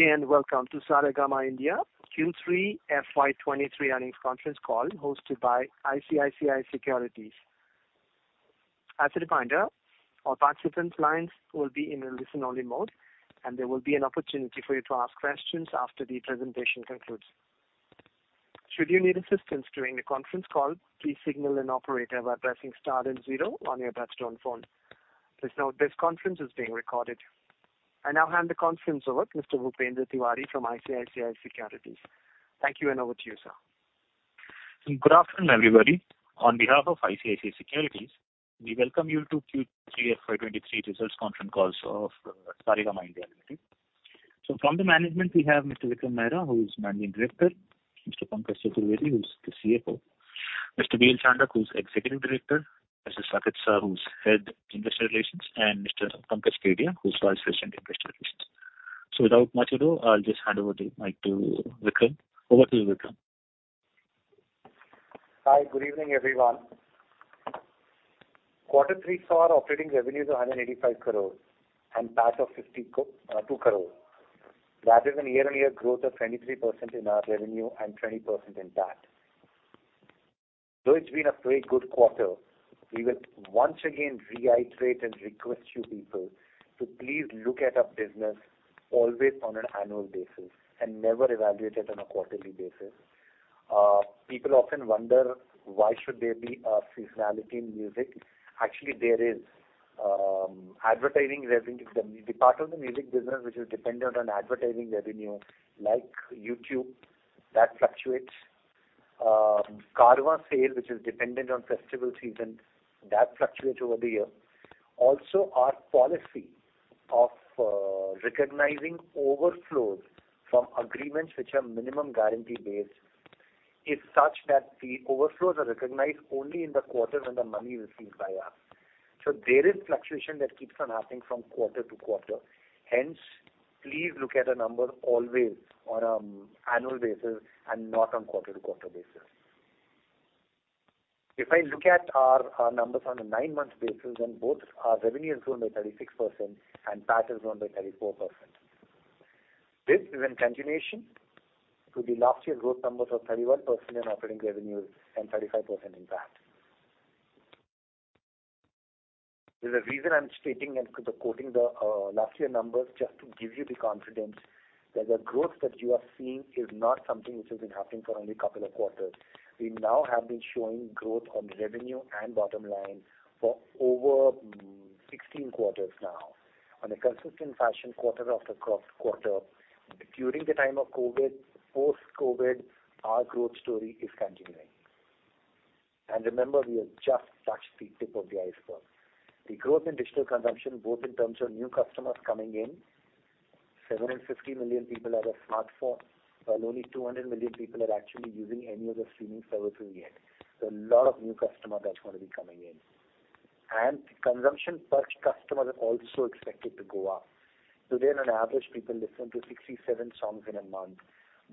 Good day, and welcome to Saregama India Q3 FY 2023 Earnings Conference Call hosted by ICICI Securities. As a reminder, all participants' lines will be in a listen-only mode, and there will be an opportunity for you to ask questions after the presentation concludes. Should you need assistance during the conference call, please signal an operator by pressing star then zero on your touchtone phone. Please note this conference is being recorded. I now hand the conference over to Mr. Bhupendra Tiwary from ICICI Securities. Thank you, and over to you, sir. Good afternoon, everybody. On behalf of ICICI Securities, we welcome you to Q3 FY 2023 results conference call of Saregama India Limited. From the management, we have Mr. Vikram Mehra, who is Managing Director; Mr. Pankaj Tiwari, who's the CFO; Mr. V.L. Chandak, who's Executive Director; Mr. Saket Shah, who's Head, Investor Relations; and Mr. Pankaj Kedia, who's Vice President, Investor Relations. Without much ado, I'll just hand over the mic to Vikram. Over to you, Vikram. Hi. Good evening, everyone. Quarter three saw operating revenues of 185 crore and PAT of 52 crore. That is an year-on-year growth of 23% in our revenue and 20% in PAT. It's been a very good quarter, we will once again reiterate and request you people to please look at our business always on an annual basis and never evaluate it on a quarterly basis. People often wonder why should there be a seasonality in music. Actually, there is. Advertising revenue, the part of the music business which is dependent on advertising revenue, like YouTube, that fluctuates. Carvaan sale, which is dependent on festival season, that fluctuates over the year. Our policy of recognizing overflows from agreements which are minimum guarantee based is such that the overflows are recognized only in the quarter when the money is received by us. There is fluctuation that keeps on happening from quarter to quarter. Please look at the number always on annual basis and not on quarter-to-quarter basis. If I look at our numbers on a nine-month basis, both our revenue has grown by 36% and PAT has grown by 34%. This is in continuation to the last year growth numbers of 31% in operating revenues and 35% in PAT. There's a reason I'm stating and quoting the last year numbers just to give you the confidence that the growth that you are seeing is not something which has been happening for only a couple of quarters. We now have been showing growth on revenue and bottom line for over 16 quarters now on a consistent fashion quarter after quarter. During the time of COVID, post-COVID, our growth story is continuing. Remember, we have just touched the tip of the iceberg. The growth in digital consumtion, both in terms of new customers coming in, 750 million people have a smartphone, while only 200 million people are actually using any of the streaming services yet. There are a lot of new customer that's gonna be coming in. Consumption per customer are also expected to go up. Today on average, people listen to 67 songs in a month.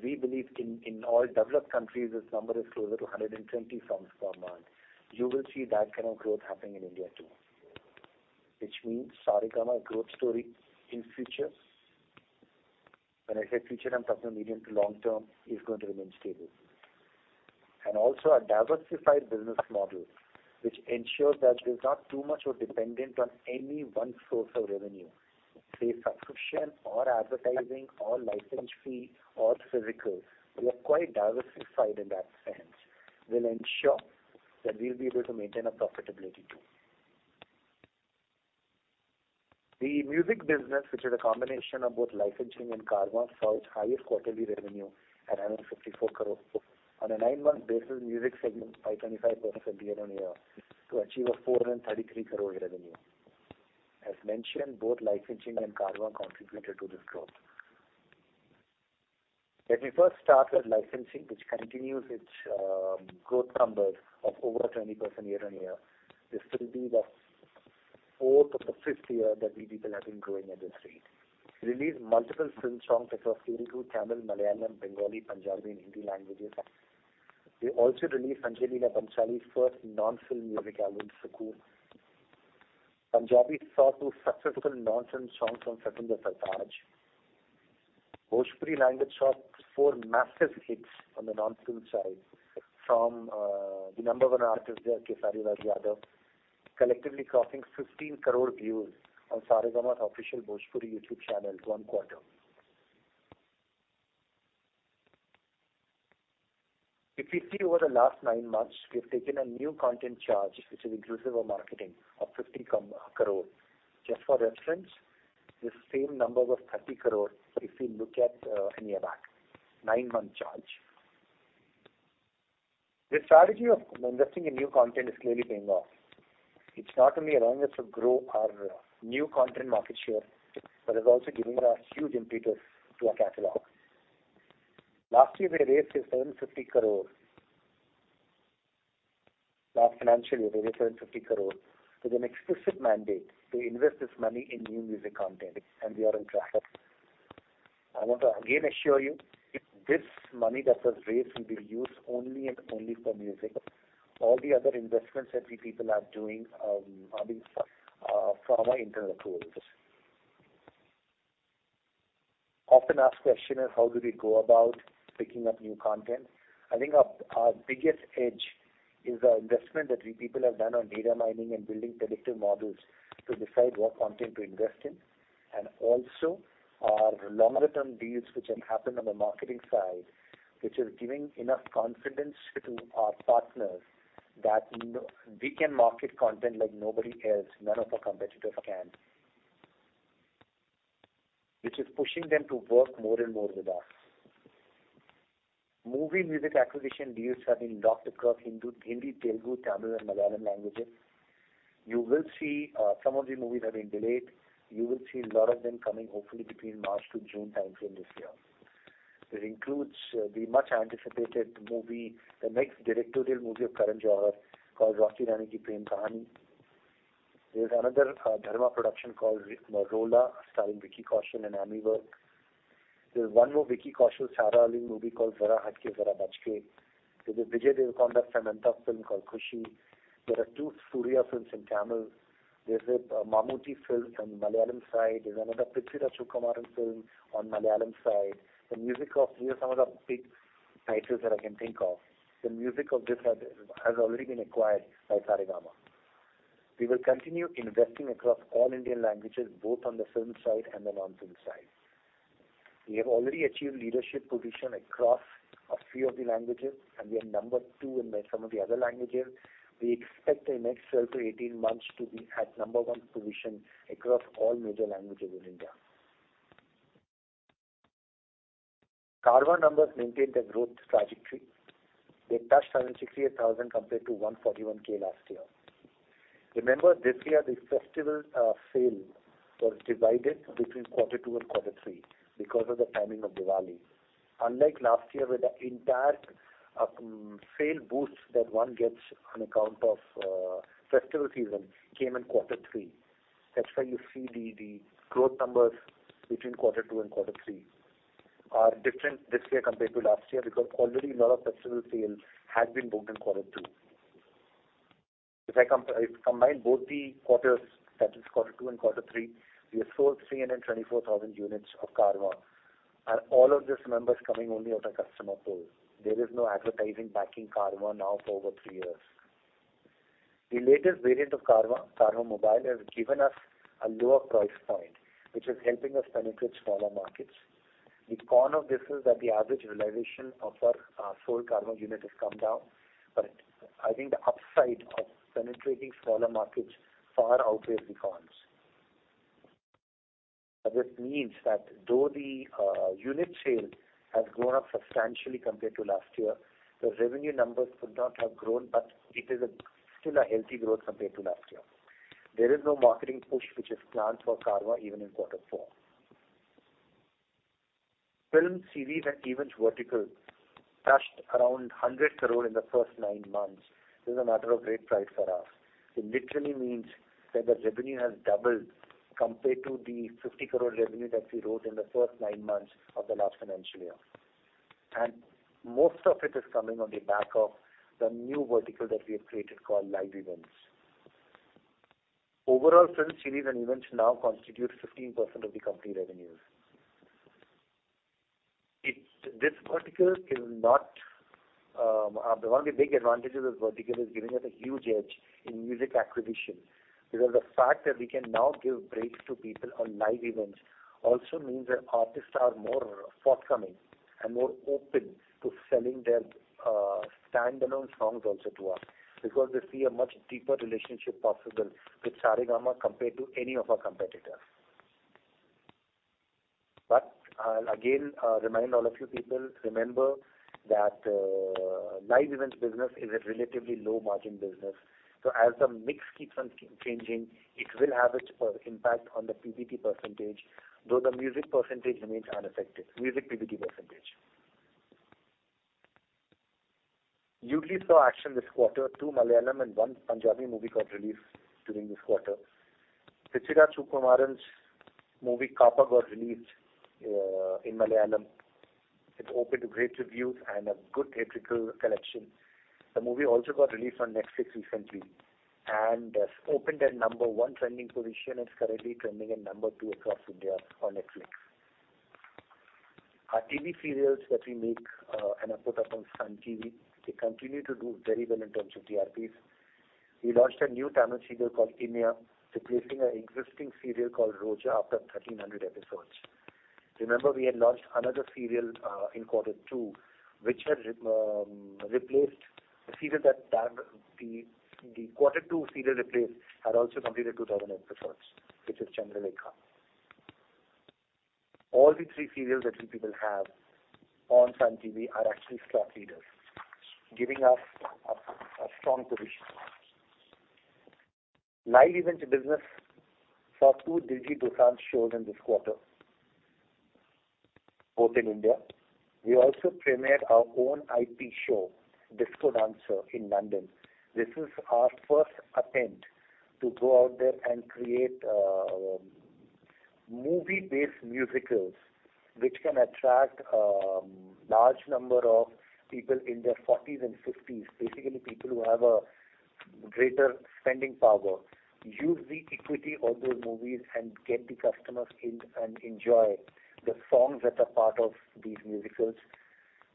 We believe in all developed countries, this number is closer to 120 songs per month. You will see that kind of growth happening in India too, which means Saregama growth story in future, when I say future, I'm talking medium to long term, is going to remain stable. Also our diversified business model, which ensures that there's not too much of dependent on any one source of revenue, say subscription or advertising or license fee or physical. We are quite diversified in that sense will ensure that we'll be able to maintain our profitability too. The music business, which is a combination of both licensing and Carvaan, saw its highest quarterly revenue at 154 crore. On a nine-month basis, music segment by 25% year-on-year to achieve a 433 crore revenue. As mentioned, both licensing and Carvaan contributed to this growth. Let me first start with licensing, which continues its growth numbers of over 20% year-on-year. This will be the fourth or the fifth year that we people have been growing at this rate. We released multiple film songs across Telugu, Tamil, Malayalam, Bengali, Punjabi, and Hindi languages. We also released Jubin Nautiyal's first non-film music album, Sukoon. Punjabi saw two successful non-film songs from Satinder Sartaaj. Bhojpuri language saw four massive hits on the non-film side from the number one artist there, Khesari Lal Yadav, collectively crossing 15 crore views on Saregama's official Bhojpuri YouTube channel one quarter. Over the last nine months, we have taken a new content charge, which is inclusive of marketing, of 50 crore. Just for reference, this same number was 30 crore if you look at a year back, nine-month charge. The strategy of investing in new content is clearly paying off. It's not only allowing us to grow our new content market share, but it's also giving a huge impetus to our catalog. Last year, we raised 750 crore. Last financial year, we raised 750 crore with an explicit mandate to invest this money in new music content, we are on track. I want to again assure you this money that was raised will be used only and only for music. All the other investments that we people are doing are being from our internal pools. Often asked question is how do we go about picking up new content? I think our biggest edge is our investment that we people have done on data mining and building predictive models to decide what content to invest in. Also our longer term deals which have happened on the marketing side, which is giving enough confidence to our partners that we can market content like nobody else, none of our competitors can. Which is pushing them to work more and more with us. Movie music acquisition deals have been locked across Hindi, Telugu, Tamil and Malayalam languages. You will see some of the movies have been delayed. You will see a lot of them coming hopefully between March to June timeframe this year. This includes the much anticipated movie, the next directorial movie of Karan Johar called Rocky Aur Rani Kii Prem Kahaani. There's another Dharma Productions called Rooha [Bad Newz], starring Vicky Kaushal and Ammy Virk. There's one more Vicky Kaushal, Sara Ali Khan movie called Zara Hatke Zara Bachke. There's a Vijay Deverakonda, Samantha film called Kushi. There are two Suriya films in Tamil. There's a Mammootty film from the Malayalam side. There's another Prithviraj Sukumaran film on Malayalam side. The music of these are some of the big titles that I can think of. The music of this has already been acquired by Saregama. We will continue investing across all Indian languages, both on the film side and the non-film side. We have already achieved leadership position across a few of the languages, and we are number two in some of the other languages. We expect in next 12-18 months to be at number one position across all major languages in India. Carvaan numbers maintained their growth trajectory. They touched 768,000 compared to 141,000 last year. Remember this year, the festival sale was divided between quarter two and quarter three because of the timing of Diwali. Unlike last year, where the entire sale boost that one gets on account of festival season came in quarter three. That's why you see the growth numbers between quarter two and quarter three are different this year compared to last year, because already a lot of festival sales had been booked in quarter two. If I combine both the quarters, that is quarter two and quarter three, we have sold 324,000 units of Carvaan. All of this, remember, is coming only out of customer pool. There is no advertising backing Carvaan now for over three years. The latest variant of Carvaan Mobile, has given us a lower price point, which is helping us penetrate smaller markets. The con of this is that the average realization of our sold Carvaan unit has come down, but I think the upside of penetrating smaller markets far outweighs the cons. This means that though the unit sales has grown up substantially compared to last year, the revenue numbers could not have grown, but it is a still a healthy growth compared to last year. There is no marketing push which is planned for Carvaan even in quarter four. Film, series and events vertical touched around 100 crore in the first nine months. This is a matter of great pride for us. It literally means that the revenue has doubled compared to the 50 crore revenue that we wrote in the first nine months of the last financial year. Most of it is coming on the back of the new vertical that we have created called Live Events. Overall, film, series and events now constitute 15% of the company revenues. This vertical is not, one of the big advantages of this vertical is giving us a huge edge in music acquisition. The fact that we can now give breaks to people on live events also means that artists are more forthcoming and more open to selling their standalone songs also to us. They see a much deeper relationship possible with Saregama compared to any of our competitors. I'll again remind all of you people, remember that live events business is a relatively low margin business. As the mix keeps on changing, it will have its impact on the PBT%, though the music percent remains unaffected. Music PBT percentage. Yoodlee saw action this quarter. Two Malayalam and one Punjabi movie got released during this quarter. Prithviraj Sukumaran's movie Kaapa got released in Malayalam. It opened to great reviews and a good theatrical collection. The movie also got released on Netflix recently, has opened at number one trending position and is currently trending at number two across India on Netflix. Our TV serials that we make and are put up on Sun TV, they continue to do very well in terms of DRPs. We launched a new Tamil serial called Iniya, replacing an existing serial called Roja after 1,300 episodes. Remember, we had launched another serial in quarter two, which had replaced the serial that the quarter two serial replaced had also completed 2,000 episodes, which is Chandrakanta. All the three serials that we people have on Sun TV are actually slot leaders, giving us a strong position. Live events business saw two Diljit Dosanjh shows in this quarter, both in India. We also premiered our own IP show, Disco Dancer, in London. This is our first attempt to go out there and create movie-based musicals, which can attract a large number of people in their forties and fifties, basically people who have a greater spending power, use the equity of those movies and get the customers in and enjoy the songs that are part of these musicals.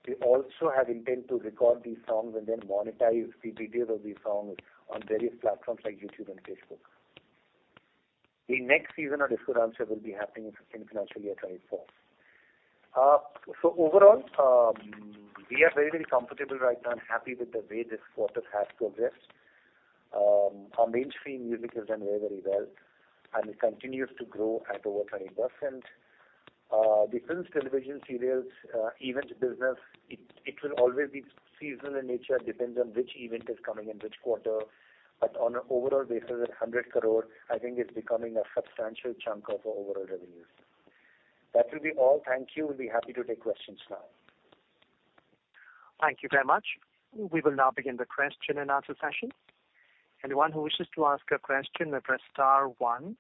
We also have intent to record these songs and then monetize the videos of these songs on various platforms like YouTube and Facebook. The next season of Iss Pyaar Ko Kya Naam Doon will be happening in financial year 2024. Overall, we are very comfortable right now and happy with the way this quarter has progressed. Our mainstream music has done very, very well. It continues to grow at over 20%. The films, television serials, events business, it will always be seasonal in nature. Depends on which event is coming in which quarter. On an overall basis, at 100 crore, I think it's becoming a substantial chunk of our overall revenues. That will be all. Thank you. We'll be happy to take questions now. Thank you very much. We will now begin the question and answer session. Anyone who wishes to ask a question may press star one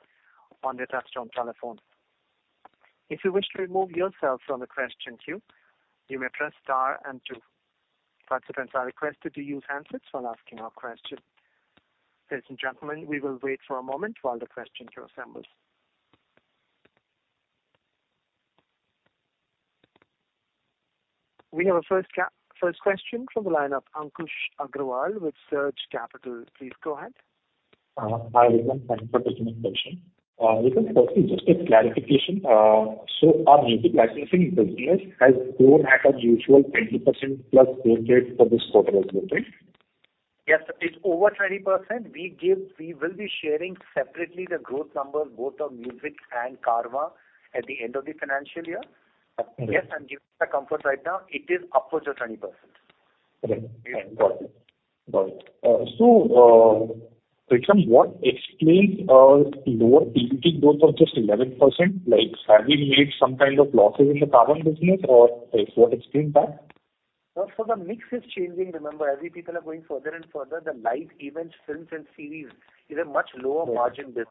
on their touch-tone telephone. If you wish to remove yourself from the question queue, you may press star and two. Participants are requested to use handsets while asking a question. Ladies and gentlemen, we will wait for a moment while the questions are assembled. We have our first question from the line of Ankush Agrawal with Surge Capital. Please go ahead. Hi, Vikram. Thank you for taking my question. Vikram, firstly, just a clarification. Our music licensing business has grown at a usual 20% plus growth rate for this quarter as well, right? Yes. It's over 20%. We will be sharing separately the growth numbers both on music and Carvaan at the end of the financial year. Okay. Yes, I'm giving you the comfort right now, it is upwards of 20%. Okay. Got it. Got it. Vikram, what explains, lower EBIT growth of just 11%? Like, have we made some kind of losses in the Carvaan business or, like, what explains that? No. The mix is changing, remember. As the people are going further and further, the live events, films and series is a much lower margin business.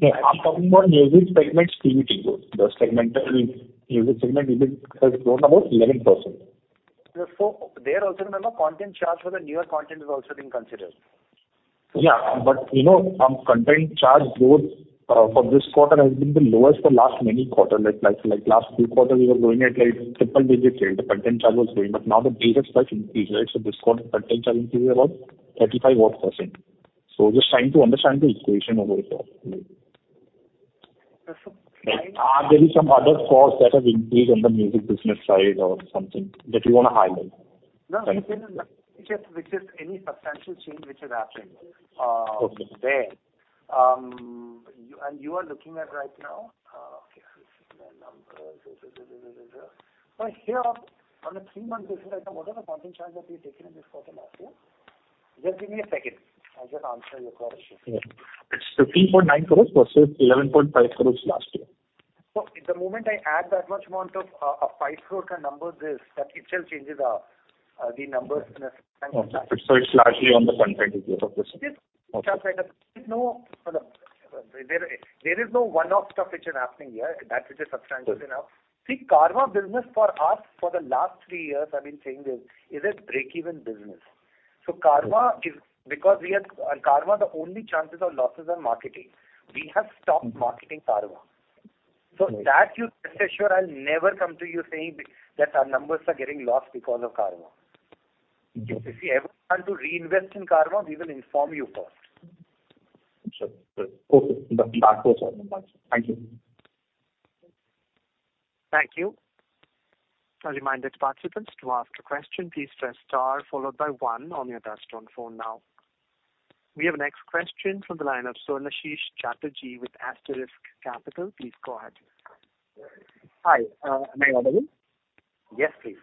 Yeah. I'm talking about music segment's EBIT growth, music segment EBIT has grown about 11%. There also, remember, content charge for the newer content is also being considered. Yeah. You know, content charge growth for this quarter has been the lowest for last many quarter. Like last few quarters we were growing at, like, triple digits, right? The content charge was growing. Now the base has got increased, right? This quarter content charge increased about 35% odd. Just trying to understand the equation over here. Are there some other costs that have increased on the music business side or something that you wanna highlight? No. which is any substantial change which has happened, there. Okay. You are looking at right now. Okay. Here, on a three-month basis, like what are the content charge that we've taken in this quarter last year? Just give me a second. I'll just answer your question. Yeah. It's 15.9 crores versus 11.5 crores last year. The moment I add that much amount of a 5 crore kind of number, that itself changes our, the numbers in a substantial. Okay. It's largely on the content growth this. Yes. Okay. Hold on. There is no one-off stuff which is happening here that, which is substantial enough. Okay. See, Carvaan business for us, for the last three years I've been saying this, is a break-even business. Carvaan, the only chances of losses are marketing. We have stopped marketing Carvaan. Okay. That you rest assured I'll never come to you saying that our numbers are getting lost because of Carvaan. Mm-hmm. If we ever want to reinvest in Carvaan, we will inform you first. Sure. Good. Okay. That answers my question. Thank you. Thank you. A reminder to participants, to ask a question, please press star followed by 1 on your touch-tone phone now. We have our next question from the line of Sourasis Chatterjee with Antique Capital. Please go ahead. Hi, may I come in? Yes, please.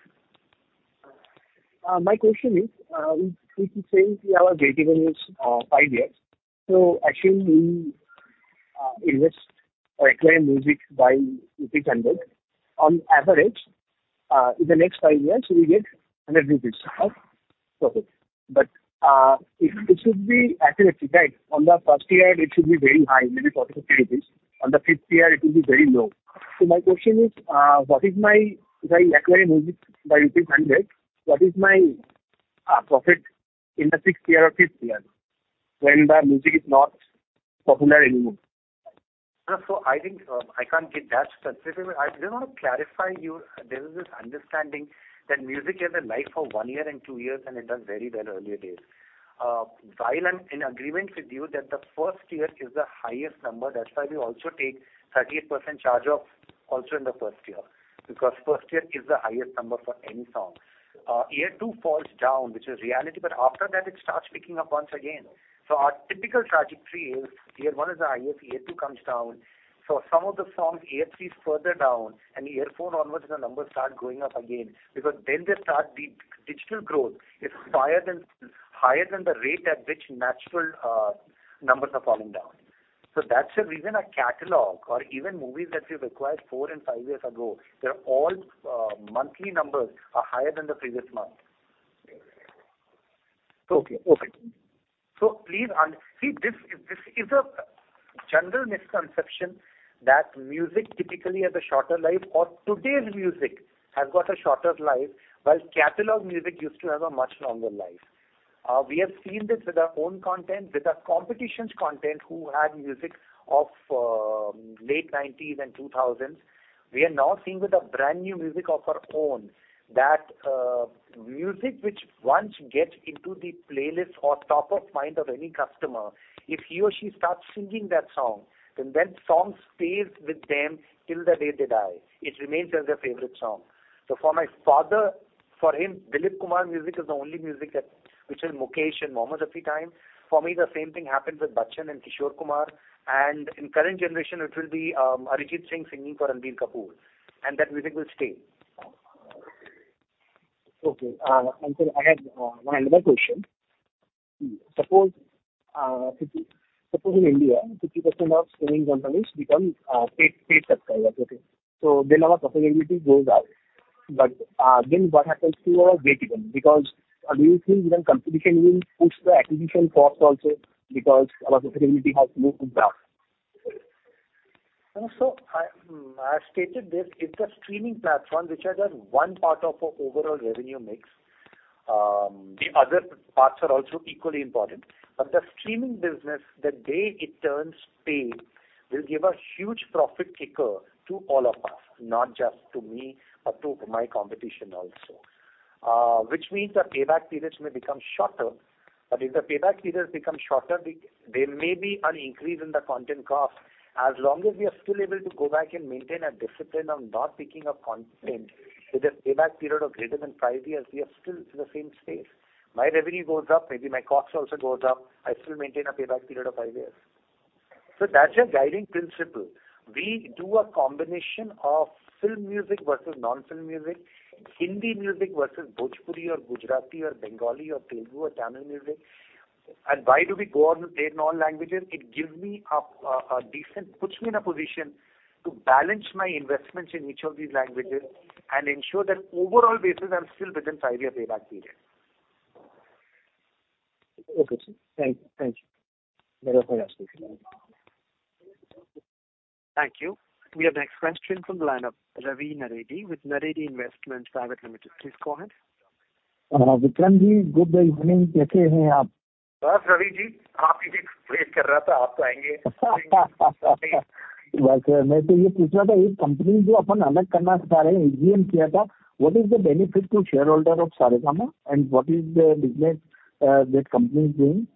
My question is, we've been saying we have a break-even is five years. Assume we invest or acquire music by INR 100. On average, in the next five years we get 100 rupees of profit. It should be accuracy, right? On the 1st year it should be very high, maybe 40-50 rupees. On the 5th year it will be very low. My question is, what is my... If I acquire music by 100, what is my profit in the 6th year or 5th year when the music is not popular anymore? No. I think, I can't get that specific. I just want to clarify you, there is this understanding that music has a life of one year and two years, and it does very well earlier days. While I'm in agreement with you that the first year is the highest number, that's why we also take 38% charge off also in the first year, because first year is the highest number for any song. Year two falls down, which is reality, but after that it starts picking up once again. Our typical trajectory is year one is the highest, year two comes down. For some of the songs, year three is further down, and year four onwards the numbers start going up again, because then they start the digital growth is higher than the rate at which natural numbers are falling down. That's the reason our catalog or even movies that we've acquired 4 and 5 years ago, they're all monthly numbers are higher than the previous month. Okay, okay. Please see, this is a general misconception that music typically has a shorter life, or today's music has got a shorter life, while catalog music used to have a much longer life. We have seen this with our own content, with our competition's content, who had music of late 90s and 2000s. We are now seeing with the brand new music of our own that music which once gets into the playlist or top of mind of any customer, if he or she starts singing that song, then that song stays with them till the day they die. It remains as their favorite song. For my father, for him, Dilip Kumar music is the only music that, which is Mukesh and Mohammed Rafi time. For me, the same thing happened with Bachchan and Kishore Kumar, and in current generation it will be, Arijit Singh singing for Ranbir Kapoor, and that music will stay. Okay. Sir, I have one another question. Suppose in India, 50% of streaming companies become paid subscribers, okay? Then our profitability goes up. Then what happens to our rate even? Do you think even competition will push the acquisition cost also because our profitability has moved up? I stated this, it's a streaming platform which has just one part of our overall revenue mix. The other parts are also equally important. The streaming business, the day it turns paid, will give a huge profit kicker to all of us, not just to me, but to my competition also. Which means the payback periods may become shorter, but if the payback periods become shorter, there may be an increase in the content cost. As long as we are still able to go back and maintain a discipline of not picking up content with a payback period of greater than five years, we are still in the same space. My revenue goes up, maybe my costs also goes up. I still maintain a payback period of five years. That's our guiding principle. We do a combination of film music versus non-film music, Hindi music versus Bhojpuri or Gujarati or Bengali or Telugu or Tamil music. Why do we go on to play in all languages? It gives me a decent puts me in a position to balance my investments in each of these languages and ensure that overall basis, I'm still within five-year payback period. Okay, sir. Thank you. Thank you. Very helpful explanation. Thank you. We have next question from the line of Ravi Naredi with Naredi Investment Private Limited. Please go ahead. Vikram ji, good evening. What is the benefit to shareholder of Saregama and what is the business that company is doing?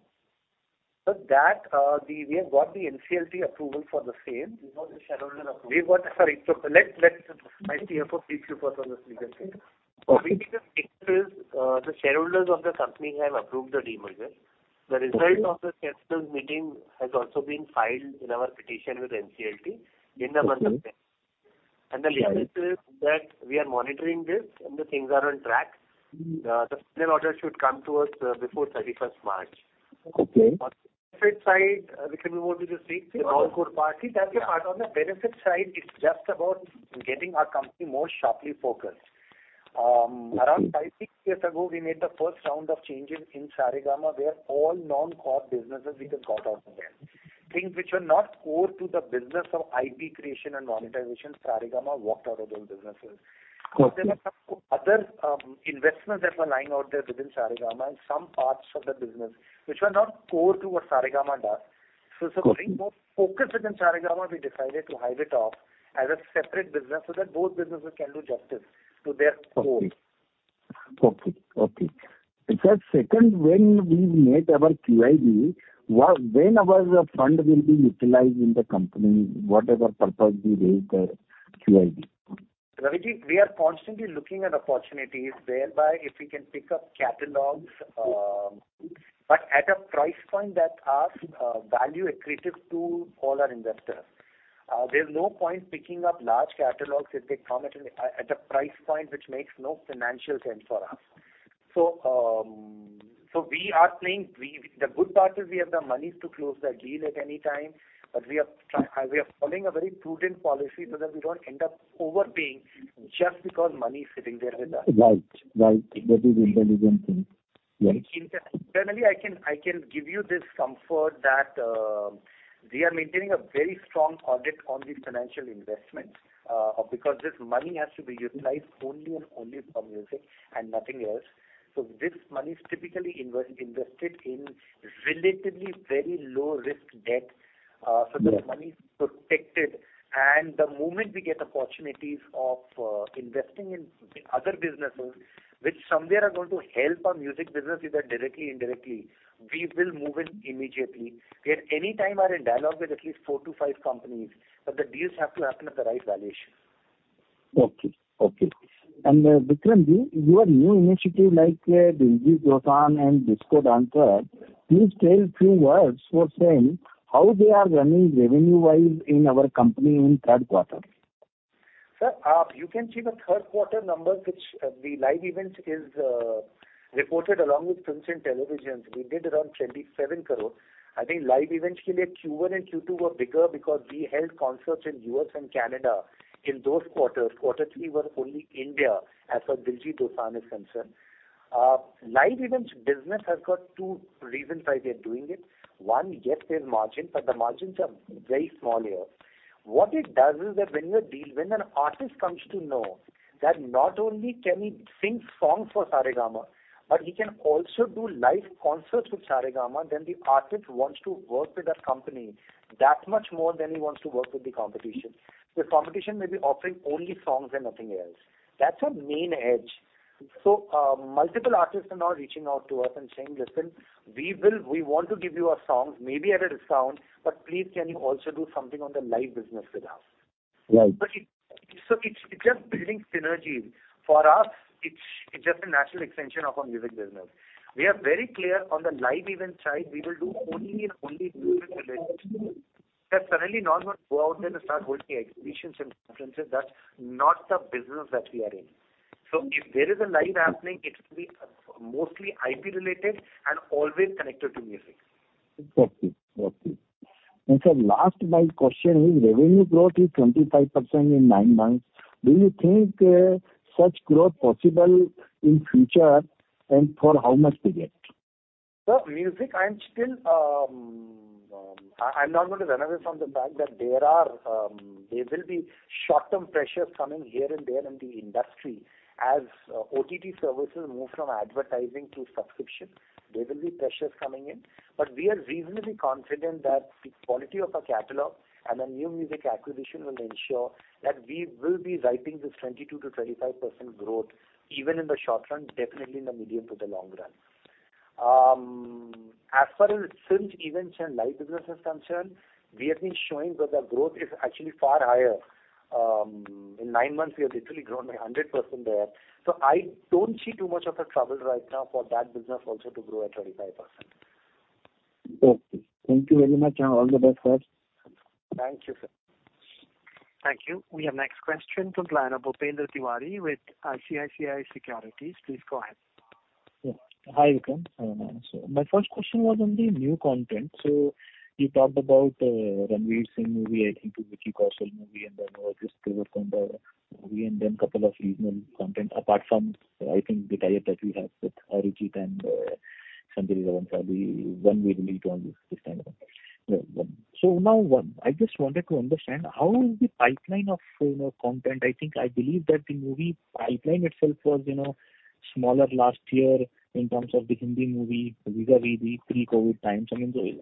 Sir, that we have got the NCLT approval for the same. We got the shareholder approval. Sorry. Let's I see here for clarity purpose on this, we can say. Basically the picture is, the shareholders of the company have approved the demerger. The result of the shareholders meeting has also been filed in our petition with NCLT in the month of May. The status is that we are monitoring this and the things are on track. The final order should come to us before 31st March. Okay. On benefit side, we can move on to the sixth, the non-core party. That's a part. On the benefit side, it's just about getting our company more sharply focused. Around five, six years ago, we made the first round of changes in Saregama, where all non-core businesses we just got out of there. Things which were not core to the business of IP creation and monetization, Saregama walked out of those businesses. Okay. There were some other investments that were lying out there within Saregama and some parts of the business which were not core to what Saregama does. Okay. To bring more focus within Saregama, we decided to hive it off as a separate business so that both businesses can do justice to their core. Okay. Okay. Sir, second, when we made our QIB, when our fund will be utilized in the company? What other purpose we raised the QIB? Ravi ji, we are constantly looking at opportunities whereby if we can pick up catalogs, but at a price point that are value accretive to all our investors. There's no point picking up large catalogs if they come at a price point which makes no financial sense for us. So we have the monies to close the deal at any time, but we are following a very prudent policy so that we don't end up overpaying just because money is sitting there with us. Right. Right. That is intelligent thing. Yes. Internally, I can give you this comfort that, we are maintaining a very strong audit on these financial investments, because this money has to be utilized only and only for music and nothing else. This money is typically invested in relatively very low risk debt. Yes. The money is protected, and the moment we get opportunities of investing in other businesses which somewhere are going to help our music business, either directly or indirectly, we will move in immediately. We at any time are in dialogue with at least four to five companies, but the deals have to happen at the right valuation. Okay. Okay. Vikram ji, your new initiative like Diljit Dosanjh and Disco Dancer, please tell few words for same, how they are running revenue-wise in our company in third quarter? Sir, you can see the third quarter numbers which the live events is reported along with films and televisions. We did around 27 crore. I think live events for Q1 and Q2 were bigger because we held concerts in U.S. and Canada in those quarters. Quarter three were only India, as for Diljit Dosanjh is concerned. Live events business has got two reasons why they're doing it. One, yes, there's margin, but the margins are very small here. What it does is that when an artist comes to know that not only can he sing songs for Saregama, but he can also do live concerts with Saregama, then the artist wants to work with that company that much more than he wants to work with the competition. The competition may be offering only songs and nothing else. That's our main edge. Multiple artists are now reaching out to us and saying, "Listen, we want to give you our songs, maybe at a discount, but please can you also do something on the live business with us? Right. It's just building synergies. For us, it's just a natural extension of our music business. We are very clear on the live event side, we will do only and only music related. We are certainly not going to go out there to start holding exhibitions and conferences. That's not the business that we are in. If there is a live happening, it will be mostly IP related and always connected to music. Okay. Okay. Sir, last my question is, revenue growth is 25% in nine months. Do you think such growth possible in future, and for how much period? Music, I'm still not going to run away from the fact that there are short-term pressures coming here and there in the industry. As OTT services move from advertising to subscription, there will be pressures coming in. We are reasonably confident that the quality of our catalog and the new music acquisition will ensure that we will be writing this 22%-25% growth even in the short run, definitely in the medium to the long run. As far as films, events, and live business is concerned, we have been showing that the growth is actually far higher. In nine months we have literally grown by 100% there. I don't see too much of a trouble right now for that business also to grow at 35%. Okay. Thank you very much. All the best, sir. Thank you, sir. Thank you. We have next question from line of Bhupendra Tiwary with ICICI Securities. Please go ahead. Yeah. Hi, Vikram. My first question was on the new content. You talked about Ranveer Singh movie, I think the Vicky Kaushal movie, and then there was Prithviraj Sukumaran movie, and then couple of regional content. Apart from, I think, the tie-up that we have with Arijit and Sanjay Leela Bhansali, when we release all this kind of... Yeah. Now one, I just wanted to understand how is the pipeline of, you know, content? I think, I believe that the movie pipeline itself was, you know, smaller last year in terms of the Hindi movie vis-a-vis pre-COVID times. I mean,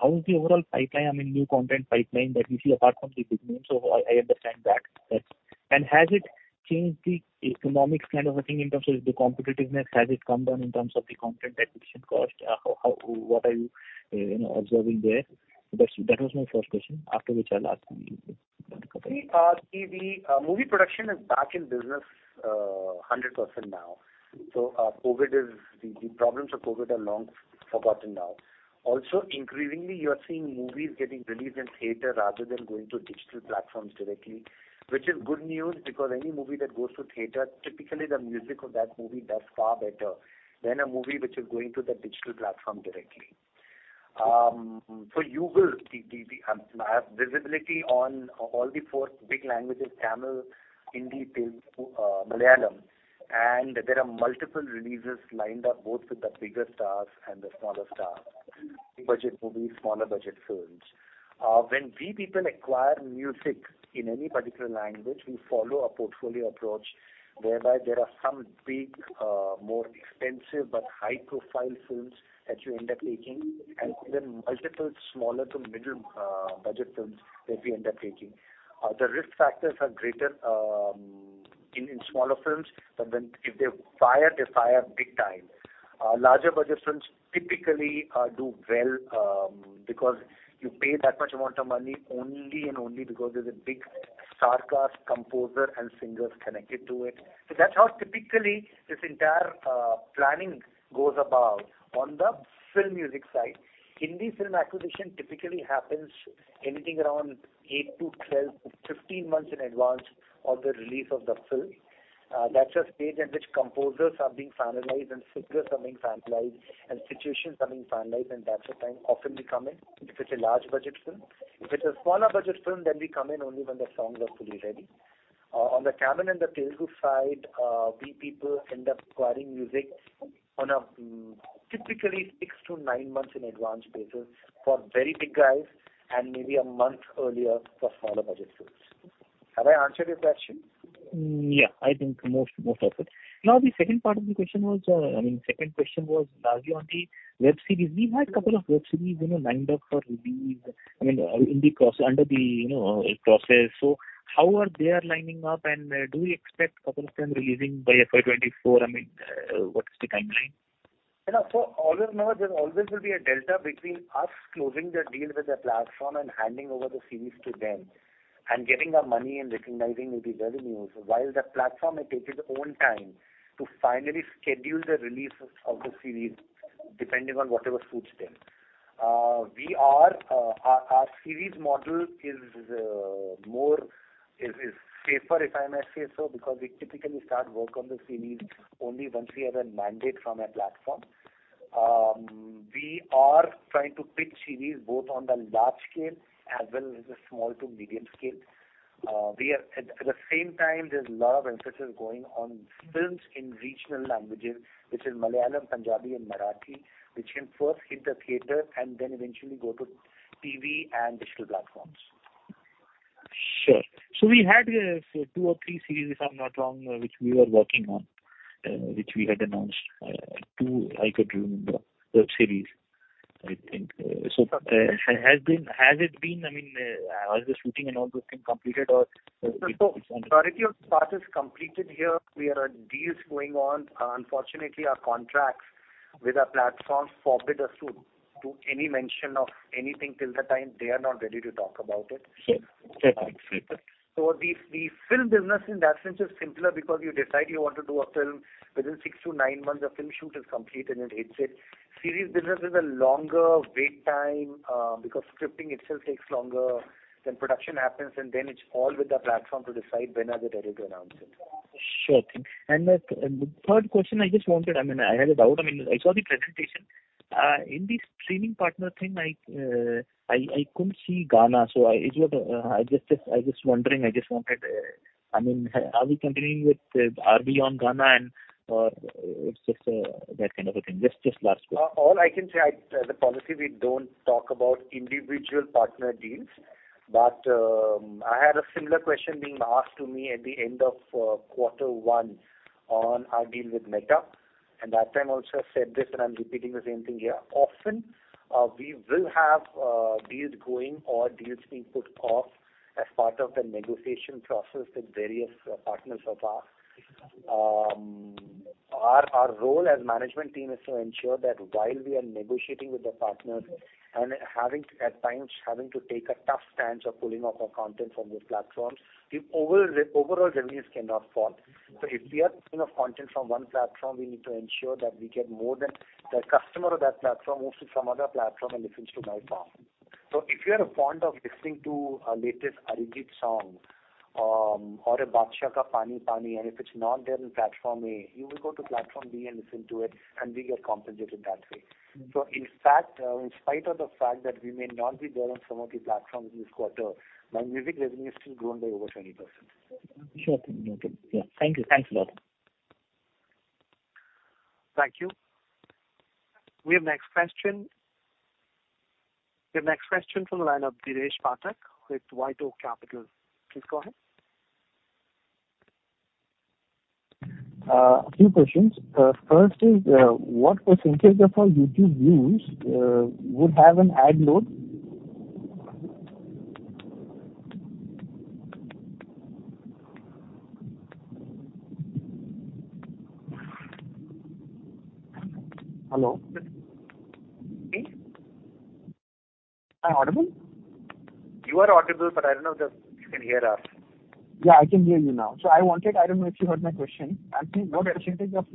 how is the overall pipeline, I mean, new content pipeline that we see apart from the big names? I understand that. Has it changed the economics kind of a thing in terms of the competitiveness? Has it come down in terms of the content acquisition cost? What are you know, observing there? That's, that was my first question. After which I'll ask you. The movie production is back in business, 100% now. The problems of COVID are long forgotten now. Also, increasingly, you are seeing movies getting released in theater rather than going to digital platforms directly, which is good news because any movie that goes to theater, typically the music of that movie does far better than a movie which is going to the digital platform directly. For Yoodlee, the visibility on all the four big languages, Tamil, Hindi, Telugu, Malayalam, and there are multiple releases lined up both with the bigger stars and the smaller stars. Big budget movies, smaller budget films. When we people acquire music in any particular language, we follow a portfolio approach, whereby there are some big, more expensive but high-profile films that you end up taking, and then multiple smaller to medium, budget films that we end up taking. The risk factors are greater in smaller films, if they fire, they fire big time. Larger budget films typically do well because you pay that much amount of money only and only because there's a big star cast, composer, and singers connected to it. That's how typically this entire planning goes about on the film music side. Hindi film acquisition typically happens anything around 8 to 12 to 15 months in advance of the release of the film. That's a stage in which composers are being finalized and singers are being finalized and situations are being finalized, that's the time often we come in, if it's a large budget film. If it's a smaller budget film, we come in only when the songs are fully ready. On the Tamil and the Telugu side, we people end up acquiring music on a typically 6-9 months in advance basis for very big guys, and maybe one month earlier for smaller budget films. Have I answered your question? Yeah, I think most of it. The second part of the question was, I mean, second question was largely on the web series. We had couple of web series, you know, lined up for release. I mean, in the process, under the, you know, process. How are they are lining up, and, do we expect couple of them releasing by FY 2024? I mean, what is the timeline? You know, always remember there always will be a delta between us closing the deal with the platform and handing over the series to them, and getting our money and recognizing it as revenues, while the platform may take its own time to finally schedule the release of the series, depending on whatever suits them. We are, our series model is more safer, if I may say so, because we typically start work on the series only once we have a mandate from a platform. We are trying to pitch series both on the large scale as well as the small to medium scale. At the same time, there's a lot of emphasis going on films in regional languages, which is Malayalam, Punjabi and Marathi, which can first hit the theater and then eventually go to TV and digital platforms. Sure. We had, two or three series, if I'm not wrong, which we were working on, which we had announced, two I could remember, web series, I think. Has it been, I mean, has the shooting and all those been completed or? Priority of part is completed here. We are deals going on. Unfortunately, our contracts with our platforms forbid us to any mention of anything till the time they are not ready to talk about it. Sure. That makes sense. The film business in that sense is simpler because you decide you want to do a film within 6-9 months, a film shoot is complete and it hits it. Series business is a longer wait time because scripting itself takes longer, then production happens, and then it's all with the platform to decide when are they ready to announce it. Sure thing. The third question I just wanted, I mean, I had a doubt. I mean, I saw the presentation in the streaming partner thing, I couldn't see Gaana. is what I was just wondering, I just wanted, I mean, are we continuing with RB on Gaana and or it's just that kind of a thing? Just last question. All I can say, the policy we don't talk about individual partner deals, I had a similar question being asked to me at the end of quarter one on our deal with Meta, and that time also I said this, and I'm repeating the same thing here. Often, we will have deals going or deals being put off as part of the negotiation process with various partners of ours. Our role as management team is to ensure that while we are negotiating with the partners and at times having to take a tough stance of pulling off our content from those platforms, the overall revenues cannot fall. If we are pulling off content from one platform, we need to ensure that we get more than the customer of that platform moves to some other platform and listens to my song. If you are fond of listening to our latest Arijit song, or a Badshah ka Paani Paani, and if it's not there in platform A, you will go to platform B and listen to it, and we get compensated that way. In fact, in spite of the fact that we may not be there on some of the platforms this quarter, my music revenue is still grown by over 20%. Sure thing. Okay. Yeah. Thank you. Thanks a lot. Thank you. We have next question. We have next question from the line of Dheeresh Pathak with WhiteOak Capital. Please go ahead. A few questions. First is, what percent of our YouTube views would have an ad load? Hello? Me? Am I audible? You are audible, but I don't know if you can hear us. Yeah, I can hear you now. I don't know if you heard my question. I think what percentage of.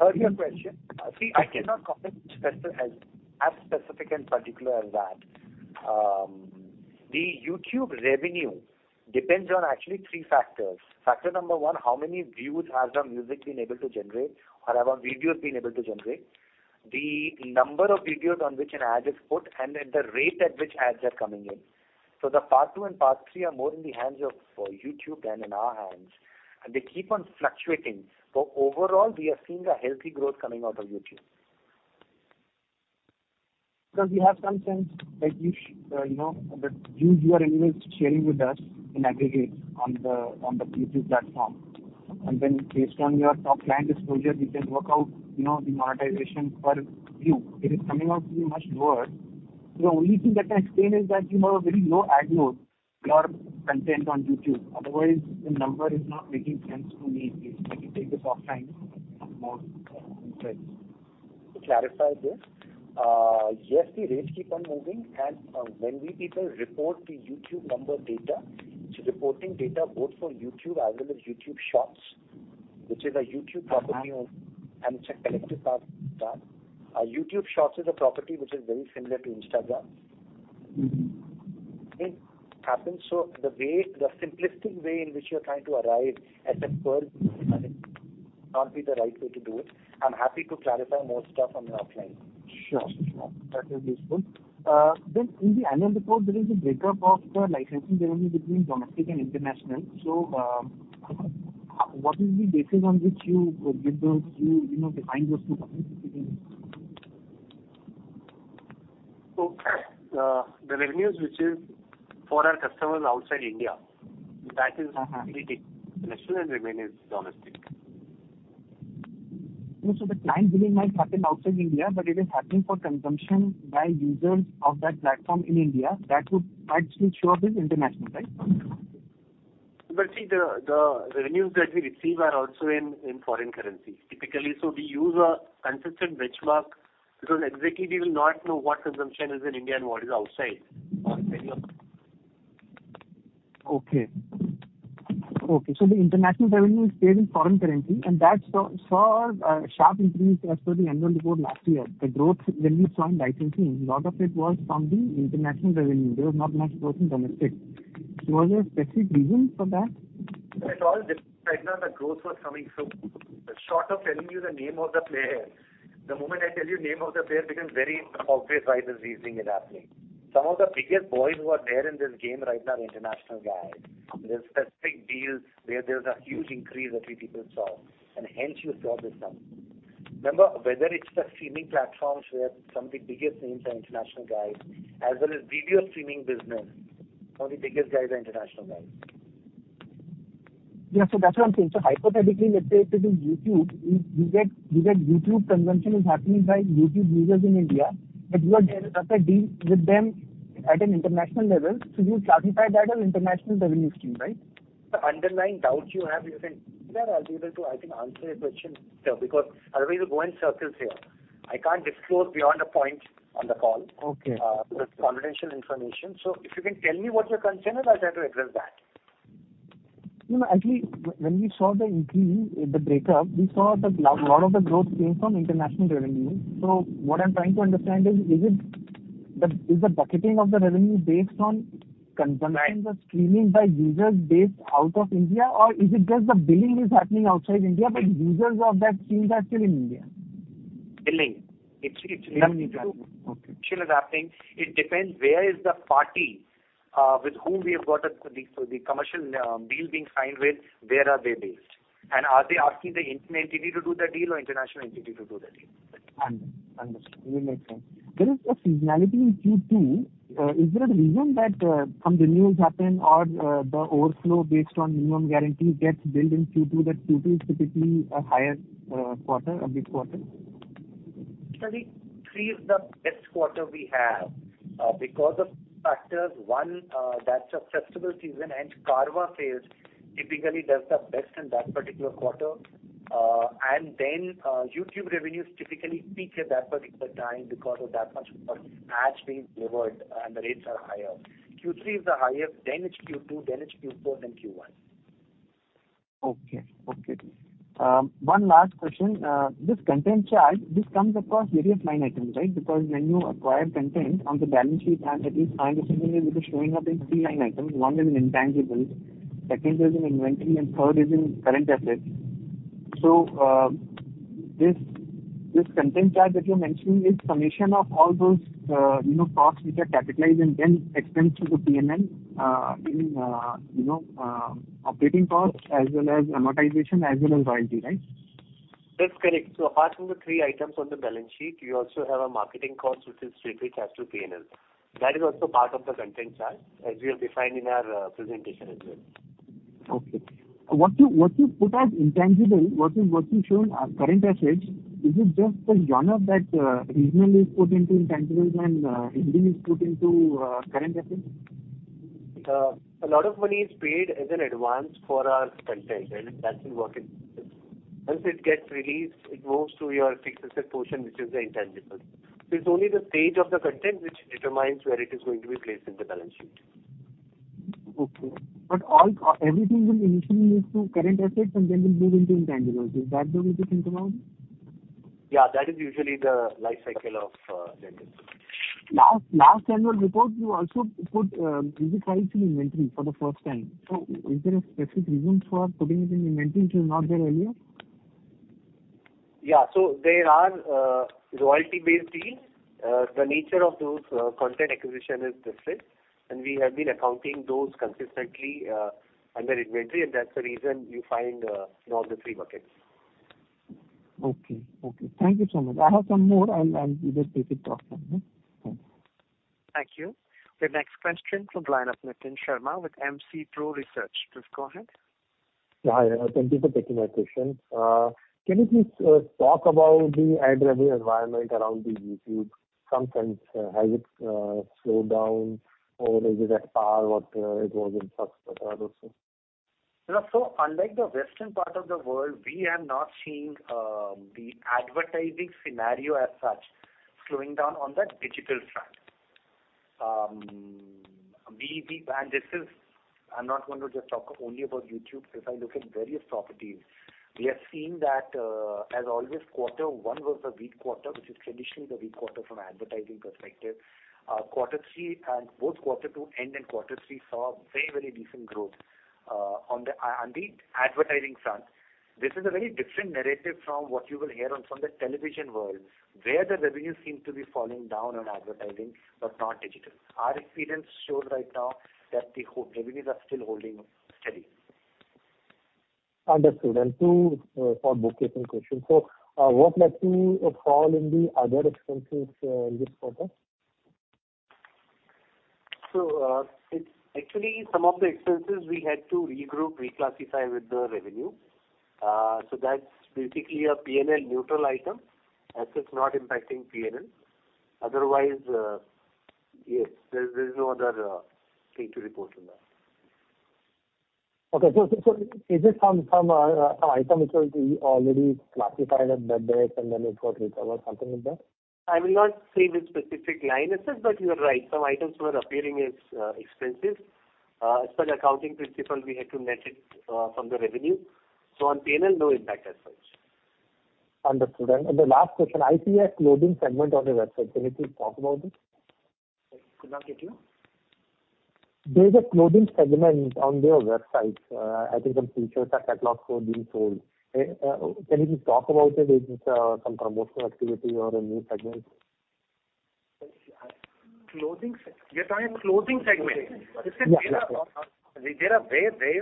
Heard your question. See, I cannot comment specific as specific and particular as that. The YouTube revenue depends on actually three factors. Factor number one, how many views has our music been able to generate or have our videos been able to generate? The number of videos on which an ad is put and the rate at which ads are coming in. The part two and part three are more in the hands of YouTube than in our hands, and they keep on fluctuating. Overall, we are seeing a healthy growth coming out of YouTube. Because we have some sense that you know, the views you are anyways sharing with us in aggregate on the YouTube platform. Based on your top line disclosure, we can work out, you know, the monetization per view. It is coming out to be much lower. The only thing that I explain is that you have a very low ad load for content on YouTube. Otherwise, the number is not making sense to me. Please maybe take this offline and more insight. To clarify this, yes, the rates keep on moving. When we people report the YouTube number data, it's reporting data both for YouTube as well as YouTube Shorts, which is a YouTube property only, and it's a collective part of that. YouTube Shorts is a property which is very similar to Instagram. Mm-hmm. It happens. The way, the simplistic way in which you're trying to arrive at the per view money cannot be the right way to do it. I'm happy to clarify more stuff on your offline. Sure, sure. That is useful. In the annual report, there is a breakup of the licensing revenue between domestic and international. What is the basis on which you know, define those two categories between? The revenues which is for our customers outside India, that is completely international, the rest of it is domestic. The client billing might happen outside India, but it is happening for consumption by users of that platform in India. That would actually show up as international, right? See, the revenues that we receive are also in foreign currency typically. We use a consistent benchmark because exactly we will not know what consumption is in India and what is outside or any of Okay. Okay. The international revenue is paid in foreign currency, and that saw a sharp increase as per the annual report last year. The growth, when we saw in licensing, a lot of it was from the international revenue. There was not much growth in domestic. Was there a specific reason for that? It's all different right now. The growth was coming from short of telling you the name of the player. The moment I tell you the name of the player it becomes very obvious why this reasoning is happening. Some of the biggest boys who are there in this game right now are international guys. There are specific deals where there's a huge increase that we people saw, and hence you saw this number. Remember, whether it's the streaming platforms where some of the biggest names are international guys, as well as video streaming business, some of the biggest guys are international guys. Yeah. That's what I'm saying. Hypothetically, let's say it is YouTube. You get YouTube consumption is happening by YouTube users in India, but you have a deal with them at an international level. You classify that as international revenue stream, right? The underlying doubt you have, I can answer your question because otherwise you'll go in circles here. I can't disclose beyond a point on the call. Okay. That's confidential information. If you can tell me what your concern is, I'll try to address that. No, actually, when we saw the increase in the breakup, we saw that a lot of the growth came from international revenues. What I'm trying to understand is it the... Is the bucketing of the revenue based on consumption or streaming by users based out of India or is it just the billing is happening outside India, but users of that seems are still in India? Billing. It's nothing to do with what is happening. It depends where is the party, with whom we have got the commercial deal being signed with. Where are they based? Are they asking the Indian entity to do the deal or international entity to do the deal? Under-understood. It makes sense. There is a seasonality in Q2. Is there a reason that some renewals happen or the overflow based on minimum guarantee gets billed in Q2, that Q2 is typically a higher quarter, a big quarter? Q3 is the best quarter we have because of factors, one, that's a festival season and Carvaan typically does the best in that particular quarter. YouTube revenues typically peak at that particular time because of that much ad spend delivered and the rates are higher. Q3 is the highest, then it's Q2, then it's Q4, then Q1. Okay. Okay. One last question. This content charge comes across various line items, right? Because when you acquire content on the balance sheet and at least my understanding is it is showing up in three line items. One is in intangibles, second is in inventory, and third is in current assets. So, this content charge that you're mentioning is summation of all those, you know, costs which are capitalized and then expense through the PNL, in, you know, operating costs as well as amortization as well as royalty, right? That's correct. Apart from the three items on the balance sheet, you also have a marketing cost which is straightly charged to PNL. That is also part of the content charge as we have defined in our presentation as well. Okay. What you put as intangible, what you shown as current assets, is it just the join up that regionally is put into intangibles and Indian is put into current assets? A lot of money is paid as an advance for our content, and that's in working. Once it gets released, it moves to your fixed asset portion, which is the intangible. It's only the stage of the content which determines where it is going to be placed in the balance sheet. Okay. Everything will initially move to current assets and then will move into intangibles. Is that the way to think about it? Yeah. That is usually the life cycle of rentals. Last annual report, you also put music rights in inventory for the first time. Is there a specific reason for putting it in inventory which was not there earlier? Yeah. There are royalty-based deals. The nature of those content acquisition is different, and we have been accounting those consistently under inventory, and that's the reason you find in all the three buckets. Okay. Okay. Thank you so much. I have some more. I'll either take it offline, yeah? Thank you. Thank you. The next question from the line of Nitin Sharma with MC Pro Research. Please go ahead. Hi. Thank you for taking my question. Can you please talk about the ad revenue environment around the YouTube? Sometimes, has it slowed down or is it at par what it was in past quarter also? Yeah. Unlike the Western part of the world, we are not seeing the advertising scenario as such slowing down on the digital front. I'm not going to just talk only about YouTube because I look at various properties. We have seen that, as always, quarter one was the weak quarter, which is traditionally the weak quarter from advertising perspective. Quarter three, both quarter two end and quarter three saw very decent growth on the advertising front. This is a very different narrative from what you will hear from the television world, where the revenues seem to be falling down on advertising, but not digital. Our experience shows right now that the revenues are still holding steady. Understood. Two, for book casing question. What led to a fall in the other expenses in this quarter? It's actually some of the expenses we had to regroup, reclassify with the revenue. That's basically a PNL neutral item as it's not impacting PNL. Otherwise, yes, there's no other thing to report on that. Okay. Is it some item which was already classified at that base and then it got recovered, something like that? I will not say which specific line is it, but you are right. Some items were appearing as expenses. As per the accounting principle, we had to net it from the revenue. On PNL, no impact as such. Understood. The last question, I see a clothing segment on your website. Can you please talk about it? Could not get you. There's a clothing segment on your website. I think some T-shirts are being sold. Can you talk about it? Is this some promotional activity or a new segment? Clothing segment. You're talking clothing segment. Yeah. There are very, very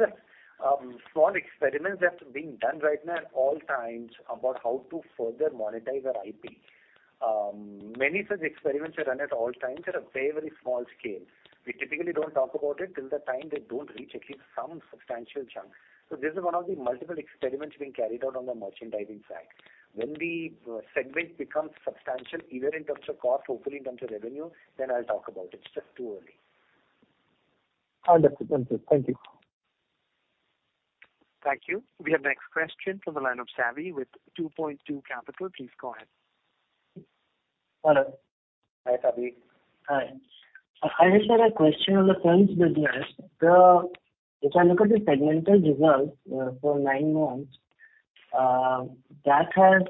small experiments that are being done right now at all times about how to further monetize our IP. Many such experiments are run at all times at a very, very small scale. We typically don't talk about it till the time they don't reach at least some substantial chunk. This is one of the multiple experiments being carried out on the merchandising side. When the segment becomes substantial, either in terms of cost or hopefully in terms of revenue, then I'll talk about it. It's just too early. Understood. Thank you. Thank you. We have next question from the line of Savi with 2Point2 Capital. Please go ahead. Hello Hi, Savi. Hi. I just had a question on the films business. If I look at the segmental results for nine months, that has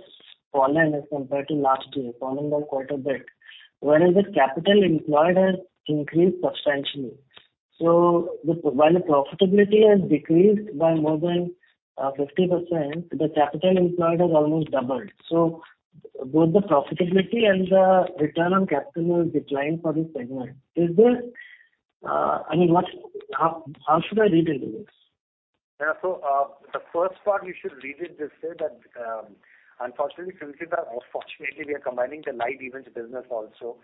fallen as compared to last year, fallen by a quarter bit, whereas the capital employed has increased substantially. While the profitability has decreased by more than 50%, the capital employed has almost doubled. Both the profitability and the return on capital has declined for this segment. Is there, I mean, How should I read into this? Yeah. The first part you should read it this way, that, unfortunately, since fortunately, we are combining the live events business also.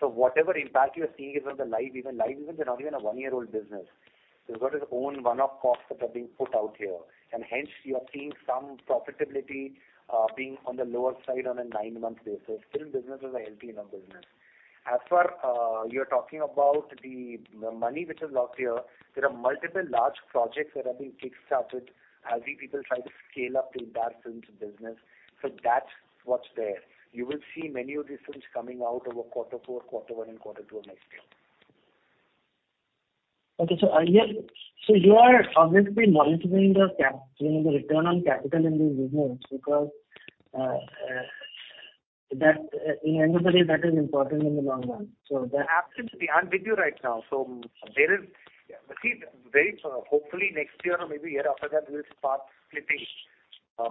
Whatever impact you're seeing is on the live event. Live event is not even a one-year-old business. It's got its own one-off costs that are being put out here. Hence you are seeing some profitability being on the lower side on a nine-month basis. Film business is a healthy enough business. As for you're talking about the money which is locked here, there are multiple large projects that are being kickstarted as we people try to scale up the entire films business. That's what's there. You will see many of these films coming out over quarter four, quarter one and quarter two of next year. Okay. You are obviously monitoring the return on capital in these business because at the end of the day, that is important in the long run. Absolutely. I'm with you right now. Hopefully next year or maybe year after that, we'll start splitting,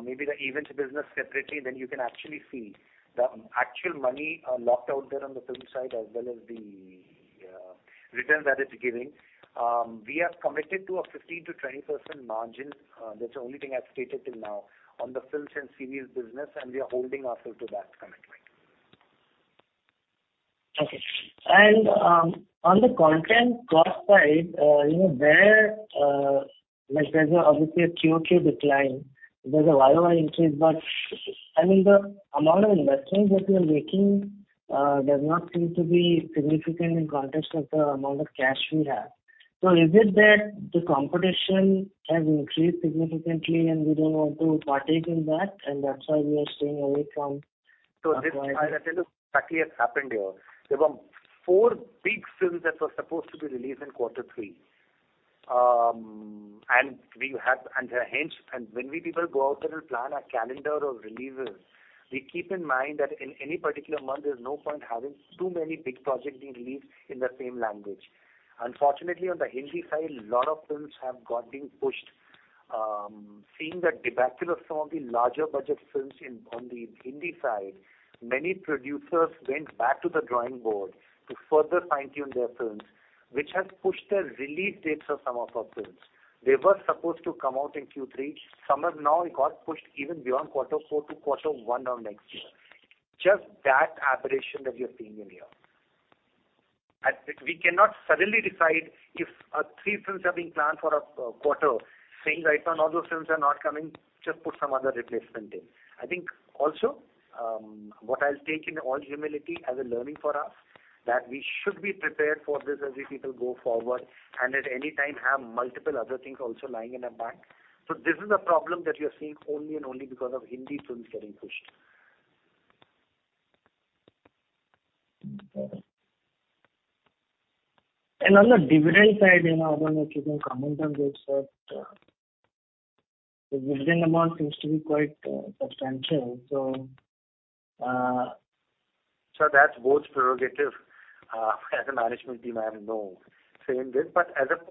maybe the events business separately, you can actually see the actual money locked out there on the film side as well as the return that it's giving. We are committed to a 15%-20% margin, that's the only thing I've stated till now, on the films and series business. We are holding ourselves to that commitment. On the content cost side, you know, there, like, there's obviously a QOQ decline. There's a YOY increase, I mean, the amount of investing that you're making does not seem to be significant in context of the amount of cash we have. Is it that the competition has increased significantly and we don't want to partake in that, and that's why we are staying away. This is exactly what's happened here. There were four big films that were supposed to be released in quarter three. We people go out there and plan our calendar of releases, we keep in mind that in any particular month, there's no point having too many big projects being released in the same language. Unfortunately, on the Hindi side, a lot of films have got being pushed. Seeing the debacle of some of the larger budget films in, on the Hindi side, many producers went back to the drawing board to further fine-tune their films, which has pushed the release dates of some of our films. They were supposed to come out in Q3. Some have now got pushed even beyond quarter four to quarter one of next year. Just that aberration that you're seeing in here. We cannot suddenly decide if three films are being planned for a quarter, saying, "Right now all those films are not coming, just put some other replacement in." I think also, what I'll take in all humility as a learning for us, that we should be prepared for this as we people go forward and at any time have multiple other things also lying in a bank. This is a problem that you're seeing only and only because of Hindi films getting pushed. On the dividend side, you know, I don't know if you can comment on this, but the dividend amount seems to be quite substantial. That's board's prerogative. As a management team, I have no say in this.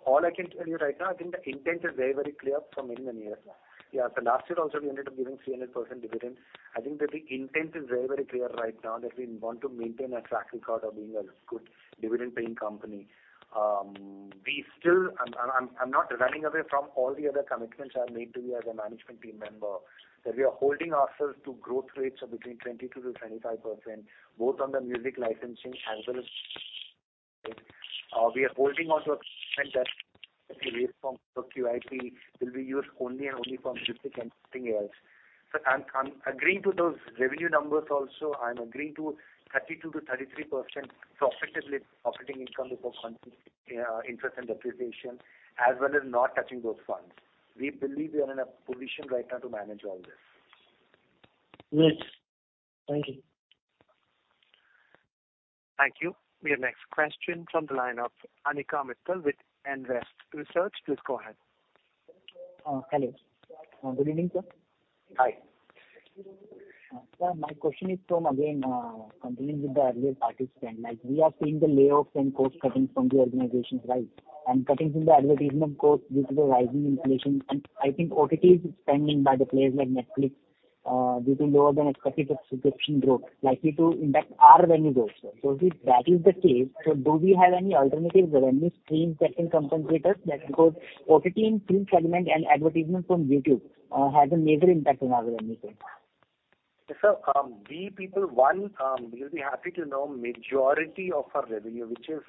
All I can tell you right now, I think the intent is very, very clear for many, many years. Last year also, we ended up giving 300% dividend. I think that the intent is very, very clear right now that we want to maintain a track record of being a good dividend-paying company. I'm not running away from all the other commitments I have made to you as a management team member, that we are holding ourselves to growth rates of between 20%-25%, both on the music licensing as well as. We are holding on to a commitment that the raise from QIP will be used only and only for music and nothing else. I'm agreeing to those revenue numbers also. I'm agreeing to 32%-33% profitability, operating income before interest and depreciation, as well as not touching those funds. We believe we are in a position right now to manage all this. Yes. Thank you. Thank you. We have next question from the line of Anika Mittal with Nvest Research. Please go ahead. Hello. Good evening, sir. Hi. Sir, my question is from, again, continuing with the earlier participant. Like, we are seeing the layoffs and cost-cutting from the organizations, right? Cuttings in the advertisement costs due to the rising inflation. I think OTT is spending by the players like Netflix, due to lower than expected subscription growth likely to impact our revenue also. If that is the case, do we have any alternative revenue stream that can compensate us? OTT and film segment and advertisement from YouTube has a major impact on our revenue stream. We people, one, you'll be happy to know majority of our revenue, which is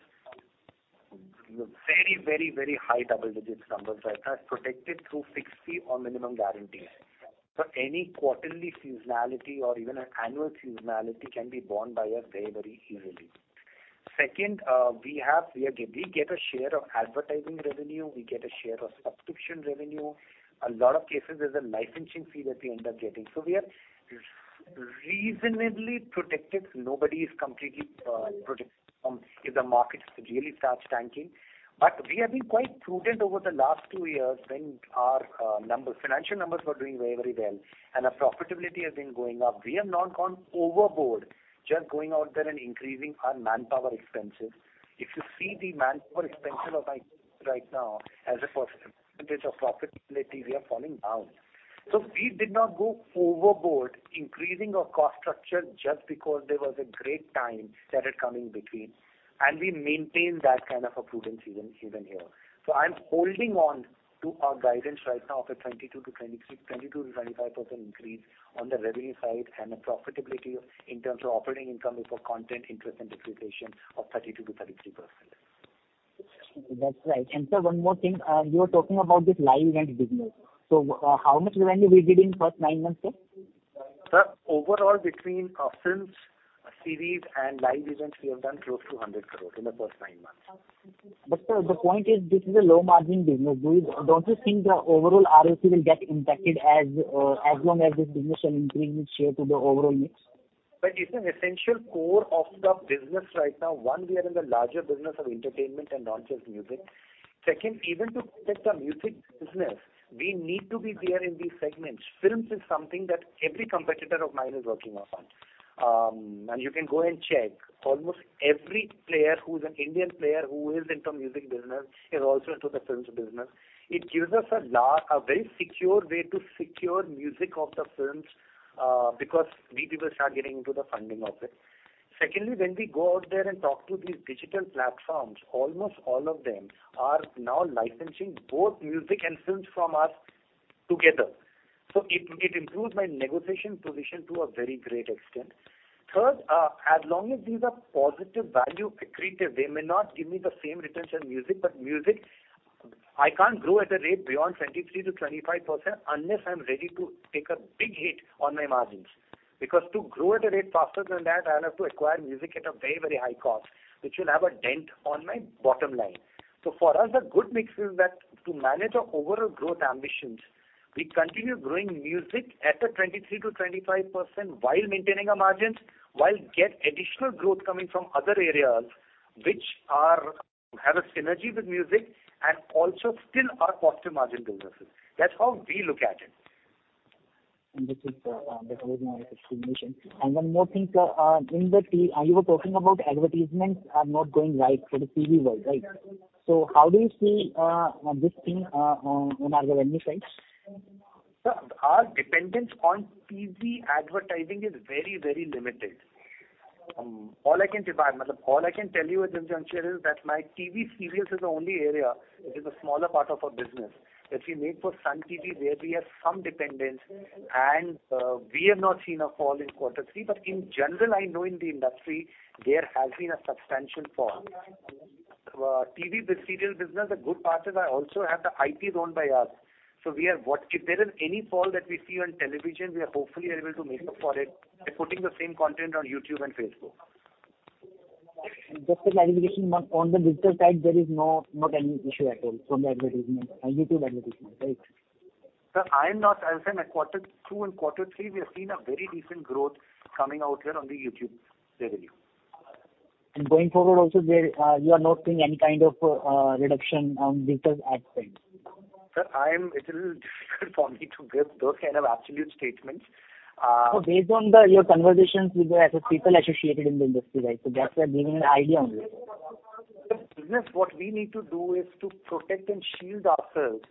very, very high double-digits numbers right now, is protected through fixed fee or minimum guarantees. Any quarterly seasonality or even an annual seasonality can be borne by us very, very easily. Second, we get a share of advertising revenue, we get a share of subscription revenue. A lot of cases there's a licensing fee that we end up getting. We are reasonably protected. Nobody is completely protected from if the market really starts tanking. We have been quite prudent over the last two years when our numbers, financial numbers were doing very, very well, and our profitability has been going up. We have not gone overboard just going out there and increasing our manpower expenses. If you see the manpower expense of right now, as a percentage of profitability, we are falling down. We did not go overboard increasing our cost structure just because there was a great time that had come in between, and we maintained that kind of a prudence even here. I'm holding on to our guidance right now of a 22%-25% increase on the revenue side and the profitability in terms of operating income before content interest and depreciation of 32%-33%. That's right. Sir, one more thing. You were talking about this live event business. How much revenue we did in first nine months, sir? Sir, overall between films, series and live events, we have done close to 100 crore in the first nine months. sir, the point is this is a low margin business. Don't you think the overall ROC will get impacted as long as this business are increasing its share to the overall mix? It's an essential core of the business right now. One, we are in the larger business of entertainment and not just music. Second, even to protect our music business, we need to be there in these segments. Films is something that every competitor of mine is working upon. You can go and check. Almost every player who's an Indian player who is into music business is also into the films business. It gives us a very secure way to secure music of the films, because we people start getting into the funding of it. Secondly, when we go out there and talk to these digital platforms, almost all of them are now licensing both music and films from us together. It improves my negotiation position to a very great extent. Third, as long as these are positive value accretive, they may not give me the same returns as music, but music, I can't grow at a rate beyond 23%-25% unless I'm ready to take a big hit on my margins. To grow at a rate faster than that, I'll have to acquire music at a very, very high cost, which will have a dent on my bottom line. For us, a good mix is that to manage our overall growth ambitions, we continue growing music at a 23%-25% while maintaining our margins, while get additional growth coming from other areas have a synergy with music and also still are positive margin businesses. That's how we look at it. This is, that was my explanation. One more thing, sir. You were talking about advertisements are not going right for the TV world, right? How do you see this thing on our revenue side? Sir, our dependence on TV advertising is very, very limited. All I can say, all I can tell you at this juncture is that my TV series is the only area. It is a smaller part of our business that we make for Sun TV, where we have some dependence and we have not seen a fall in quarter three. In general, I know in the industry there has been a substantial fall. TV serial business, the good part is I also have the IP owned by us. If there is any fall that we see on television, we are hopefully able to make up for it by putting the same content on YouTube and Facebook. Just a clarification. On the digital side, there is not any issue at all from the advertisement, YouTube advertisement, right? Sir, at Q2 and Q3, we have seen a very decent growth coming out here on the YouTube revenue. Going forward also there, you are not seeing any kind of reduction on digital ad spend? Sir, It's a little difficult for me to give those kind of absolute statements. Based on your conversations with as if people associated in the industry, right. Just giving an idea only. Business, what we need to do is to protect and shield ourselves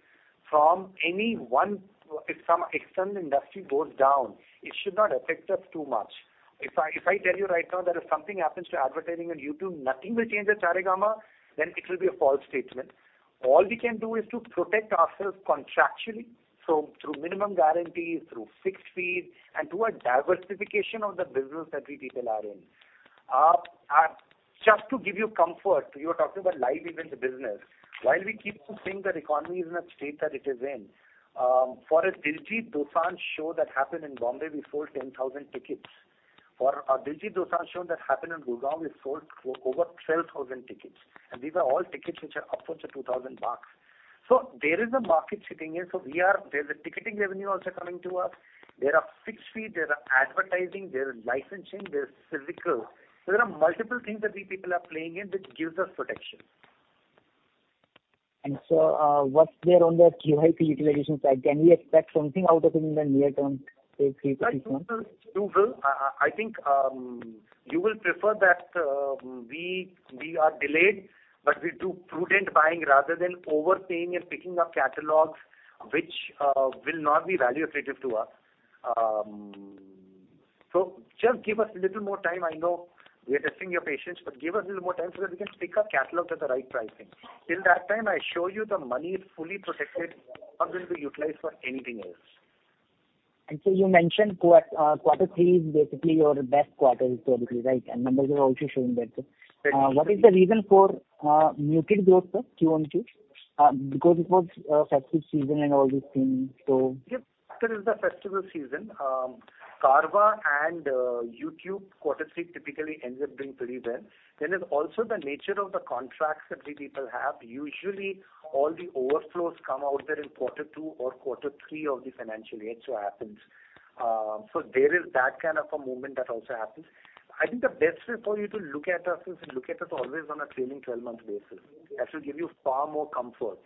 from if some external industry goes down, it should not affect us too much. If I tell you right now that if something happens to advertising on YouTube, nothing will change at Saregama, then it will be a false statement. All we can do is to protect ourselves contractually. Through minimum guarantees, through fixed fees, and through a diversification of the business that we people are in. Just to give you comfort, you were talking about live events business. While we keep on saying that economy is in a state that it is in, for a Diljit Dosanjh show that happened in Bombay, we sold 10,000 tickets. For a Diljit Dosanjh show that happened in Gurgaon, we sold over 12,000 tickets. These are all tickets which are upwards of INR 2,000. There is a market sitting here. There's a ticketing revenue also coming to us. There are fixed fee, there are advertising, there are licensing, there's physical. There are multiple things that we people are playing in that gives us protection. Sir, what's there on the QIP utilization side? Can we expect something out of it in the near term, say 3-6 months? You will. I think, you will prefer that, we are delayed, but we do prudent buying rather than overpaying and picking up catalogs which, will not be value accretive to us. Just give us a little more time. I know we are testing your patience, but give us a little more time so that we can pick our catalogs at the right pricing. Till that time, I assure you the money is fully protected, not going to be utilized for anything else. You mentioned quarter three is basically your best quarter historically, right? Numbers are also showing that. Right. What is the reason for muted growth of Q on Q? It was festive season and all these things, so. There is the festival season. Carvaan and YouTube quarter three typically ends up doing pretty well. There's also the nature of the contracts that we people have. Usually all the overflows come out there in quarter two or quarter three of the financial year. It so happens. There is that kind of a movement that also happens. I think the best way for you to look at us is look at us always on a trailing twelve-month basis. That should give you far more comfort.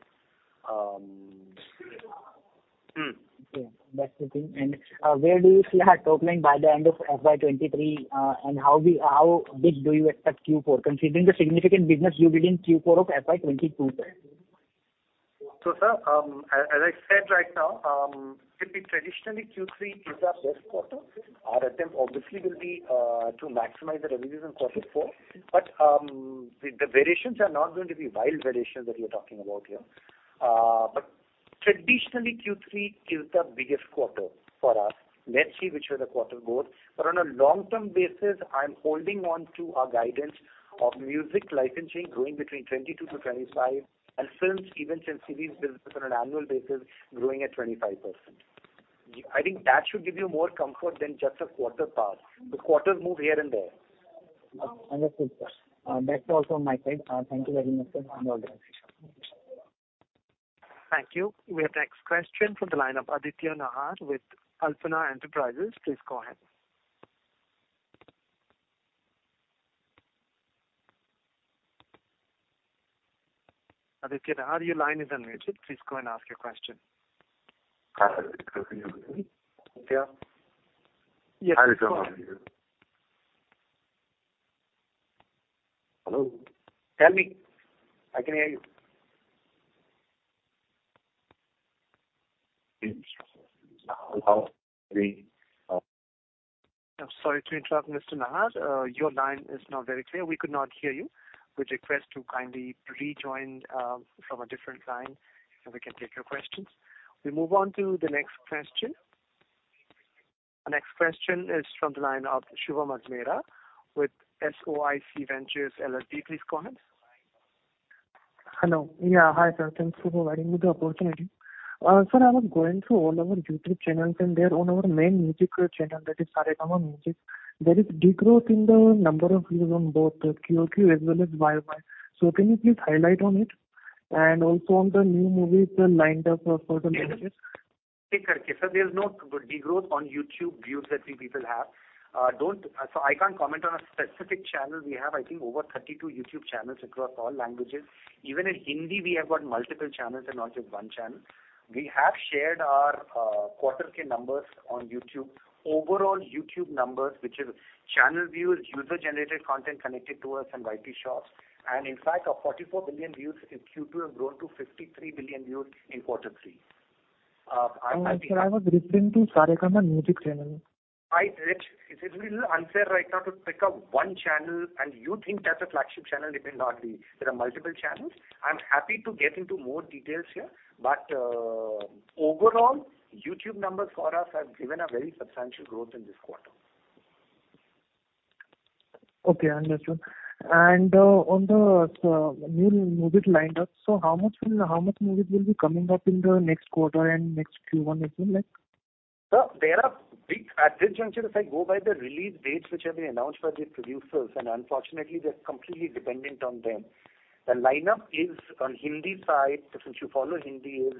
Okay. That's the thing. Where do you see our top line by the end of FY 2023? How big do you expect Q4 considering the significant business you did in Q4 of FY 2022, sir? Sir, as I said right now, typically traditionally Q3 is our best quarter. Our attempt obviously will be to maximize the revenues in quarter four. The variations are not going to be wild variations that we are talking about here. Traditionally Q3 is the biggest quarter for us. Let's see which way the quarter goes. On a long-term basis, I'm holding on to our guidance of music licensing growing between 22%-25%, and films, events, and series business on an annual basis growing at 25%. I think that should give you more comfort than just a quarter pass. The quarters move here and there. Understood, sir. That's all from my side. Thank you very much, sir, and the organization. Thank you. We have the next question from the line of Aditya Nahar with Alpna Enterprises. Please go ahead. Aditya Nahar, your line is unmuted. Please go and ask your question. Yes, go on. Hello. Tell me. I can hear you. I'm sorry to interrupt, Mr. Nahar. Your line is not very clear. We could not hear you. We'd request to kindly rejoin from a different line, we can take your questions. We move on to the next question. Our next question is from the line of Shubham Ajmera with SOIC Ventures LLP. Please go ahead. Hello. Yeah. Hi, sir. Thanks for providing me the opportunity. Sir, I was going through all our YouTube channels, there on our main music channel, that is Saregama Music, there is degrowth in the number of views on both Q on Q as well as Y on Y. Can you please highlight on it? Also on the new movies that are lined up for the next year. Sir, there's no degrowth on YouTube views that we people have. I can't comment on a specific channel. We have, I think, over 32 YouTube channels across all languages. Even in Hindi, we have got multiple channels and not just one channel. We have shared our quarter three numbers on YouTube. Overall YouTube numbers, which is channel views, user-generated content connected to us, and YT shorts. In fact, our 44 billion views in Q2 have grown to 53 billion views in quarter three. I'm happy- No, sir, I was referring to Saregama Music channel. It's a little unfair right now to pick up one channel. You think that's a flagship channel. It may not be. There are multiple channels. I'm happy to get into more details here. Overall, YouTube numbers for us have given a very substantial growth in this quarter. Okay, understood. On the new movies lined up, how much movies will be coming up in the next quarter and next Q1 as well, like? Sir, at this juncture, if I go by the release dates which have been announced by the producers, unfortunately they're completely dependent on them. The lineup is on Hindi side, since you follow Hindi, is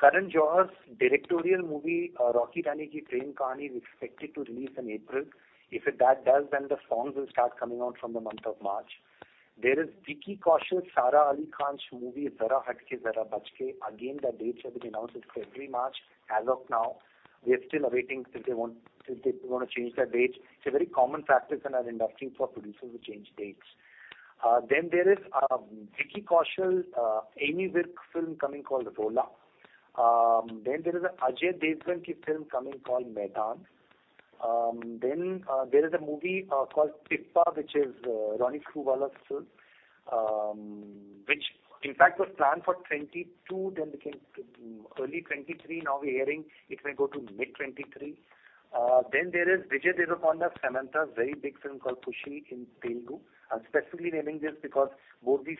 Karan Johar's directorial movie, Rocky Aur Rani Kii Prem Kahaani is expected to release in April. If that does, the songs will start coming out from the month of March. There is Vicky Kaushal, Sara Ali Khan's movie, Zara Hatke Zara Bachke. The dates have been announced, it's February, March. As of now, we are still awaiting since they wanna change their dates. It's a very common practice in our industry for producers to change dates. There is Vicky Kaushal, Ammy Virk film coming called Rola. There is a Ajay Devgn film coming called Maidaan. There is a movie called Pippa, which is Ronnie Screwvala's film, which in fact was planned for 2022, then became early 2023. Now we're hearing it may go to mid-2023. There is Vijay Deverakonda, Samantha's very big film called Pushpa in Telugu. I'm specifically naming this because both these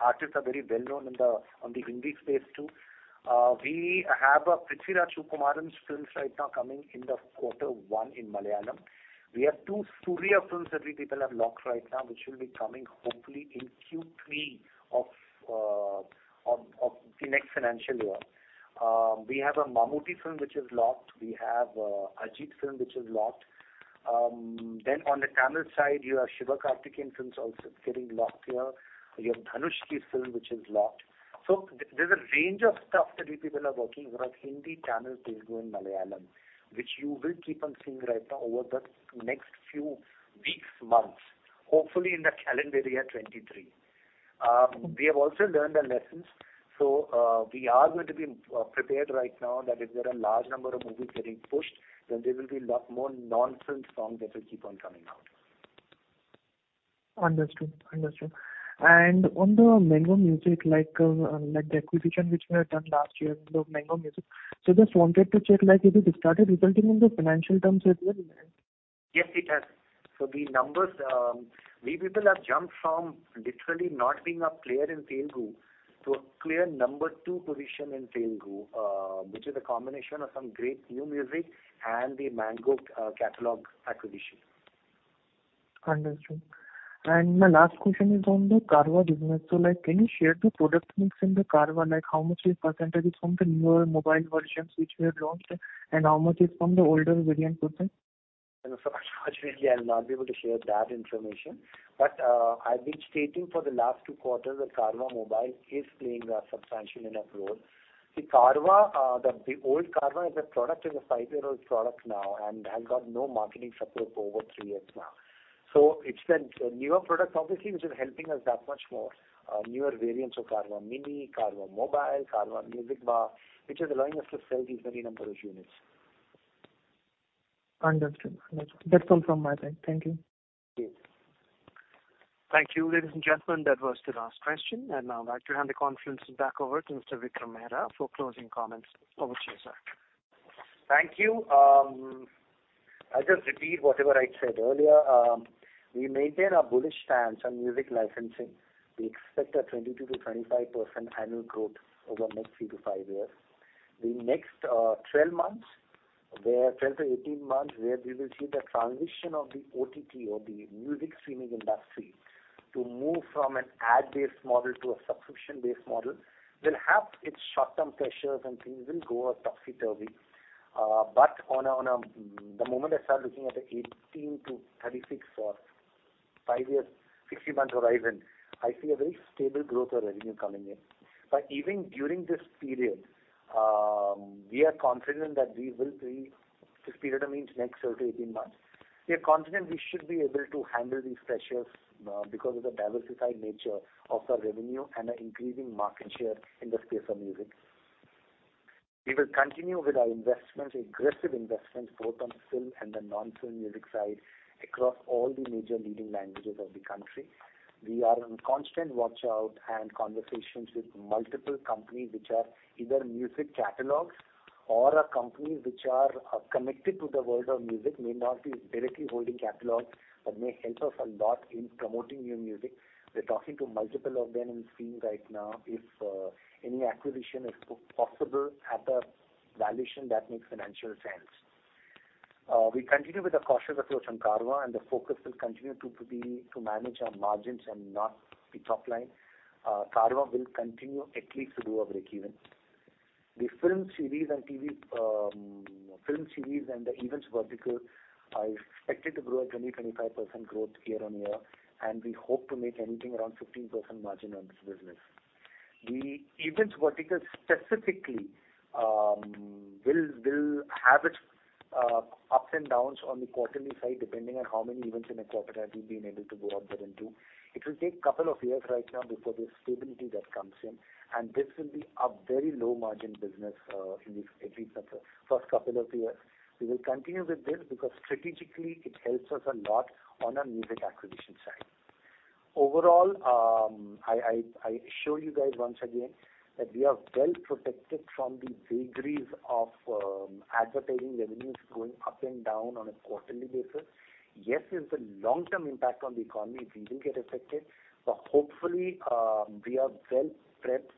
artists are very well known in the, on the Hindi space too. We have a Prithviraj Sukumaran's films right now coming in the Q1 in Malayalam. We have two Suriya films that we people have locked right now, which will be coming hopefully in Q3 of the next financial year. We have a Mammootty film which is locked. We have a Ajith film which is locked. On the Tamil side, you have Sivakarthikeyan films also getting locked here. You have Dhanush film, which is locked. There's a range of stuff that we people are working on Hindi, Tamil, Telugu and Malayalam, which you will keep on seeing right now over the next few weeks, months, hopefully in the calendar year 2023. We have also learned our lessons, we are going to be prepared right now that if there are large number of movies getting pushed, then there will be more non-film songs that will keep on coming out. Understood. Understood. On the Mango Music, like the acquisition which we have done last year with the Mango Music. Just wanted to check, like, if it started resulting in the financial terms as well. Yes, it has. The numbers, we people have jumped from literally not being a player in Telugu to a clear number 2 position in Telugu, which is a combination of some great new music and the Mango catalog acquisition. Understood. My last question is on the Carvaan business. like, can you share the product mix in the Carvaan? Like, how much percentage is from the newer mobile versions which were launched, and how much is from the older variant with them? Unfortunately, I'll not be able to share that information. I've been stating for the last two quarters that Carvaan Mobile is playing a substantial enough role. The Carvaan, the old Carvaan as a product is a five-year-old product now and has got no marketing support for over three years now. It's the newer products obviously which is helping us that much more, newer variants of Carvaan Mini, Carvaan Mobile, Carvaan Musicbar, which is allowing us to sell these many number of units. Understood. Understood. That's all from my side. Thank you. Yes. Thank you. Ladies and gentlemen, that was the last question. I'd like to hand the conference back over to Mr. Vikram Mehra for closing comments. Over to you, sir. Thank you. I'll just repeat whatever I said earlier. We maintain a bullish stance on music licensing. We expect a 22%-25% annual growth over the next three to five years. The next 12 months, 12-18 months, where we will see the transition of the OTT or the music streaming industry to move from an ad-based model to a subscription-based model, will have its short-term pressures and things will go a topsy-turvy. On a, the moment I start looking at the 18 to 36 or five years, 60 months horizon, I see a very stable growth of revenue coming in. Even during this period, we are confident that this period I mean is next 12-18 months. We are confident we should be able to handle these pressures because of the diversified nature of our revenue and our increasing market share in the space of music. We will continue with our investments, aggressive investments, both on film and the non-film music side across all the major leading languages of the country. We are on constant watch out and conversations with multiple companies which are either music catalogs or are companies which are connected to the world of music, may not be directly holding catalogs, but may help us a lot in promoting new music. We're talking to multiple of them in the scene right now if any acquisition is possible at a valuation that makes financial sense. We continue with a cautious approach on Carvaan, and the focus will continue to be to manage our margins and not the top line. Carvaan will continue at least to do a breakeven. The film series and TV and the events vertical are expected to grow at 20%-25% growth year-on-year, we hope to make anything around 15% margin on this business. The events vertical specifically will have its ups and downs on the quarterly side, depending on how many events in a quarter have we been able to go out there and do. It will take couple of years right now before the stability that comes in, this will be a very low margin business at least for first couple of years. We will continue with this because strategically it helps us a lot on our music acquisition side. Overall, I assure you guys once again that we are well protected from the vagaries of advertising revenues going up and down on a quarterly basis. Yes, there's a long-term impact on the economy, we will get affected, but hopefully, we are well prepped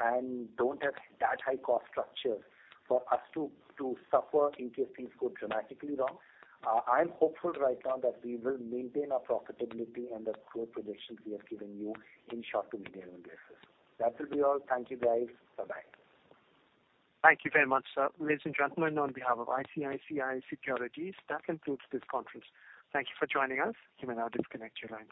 and don't have that high cost structure for us to suffer in case things go dramatically wrong. I'm hopeful right now that we will maintain our profitability and the growth projections we have given you in short to medium basis. That will be all. Thank you guys. Bye-bye. Thank you very much, sir. Ladies and gentlemen, on behalf of ICICI Securities, that concludes this conference. Thank you for joining us. You may now disconnect your lines.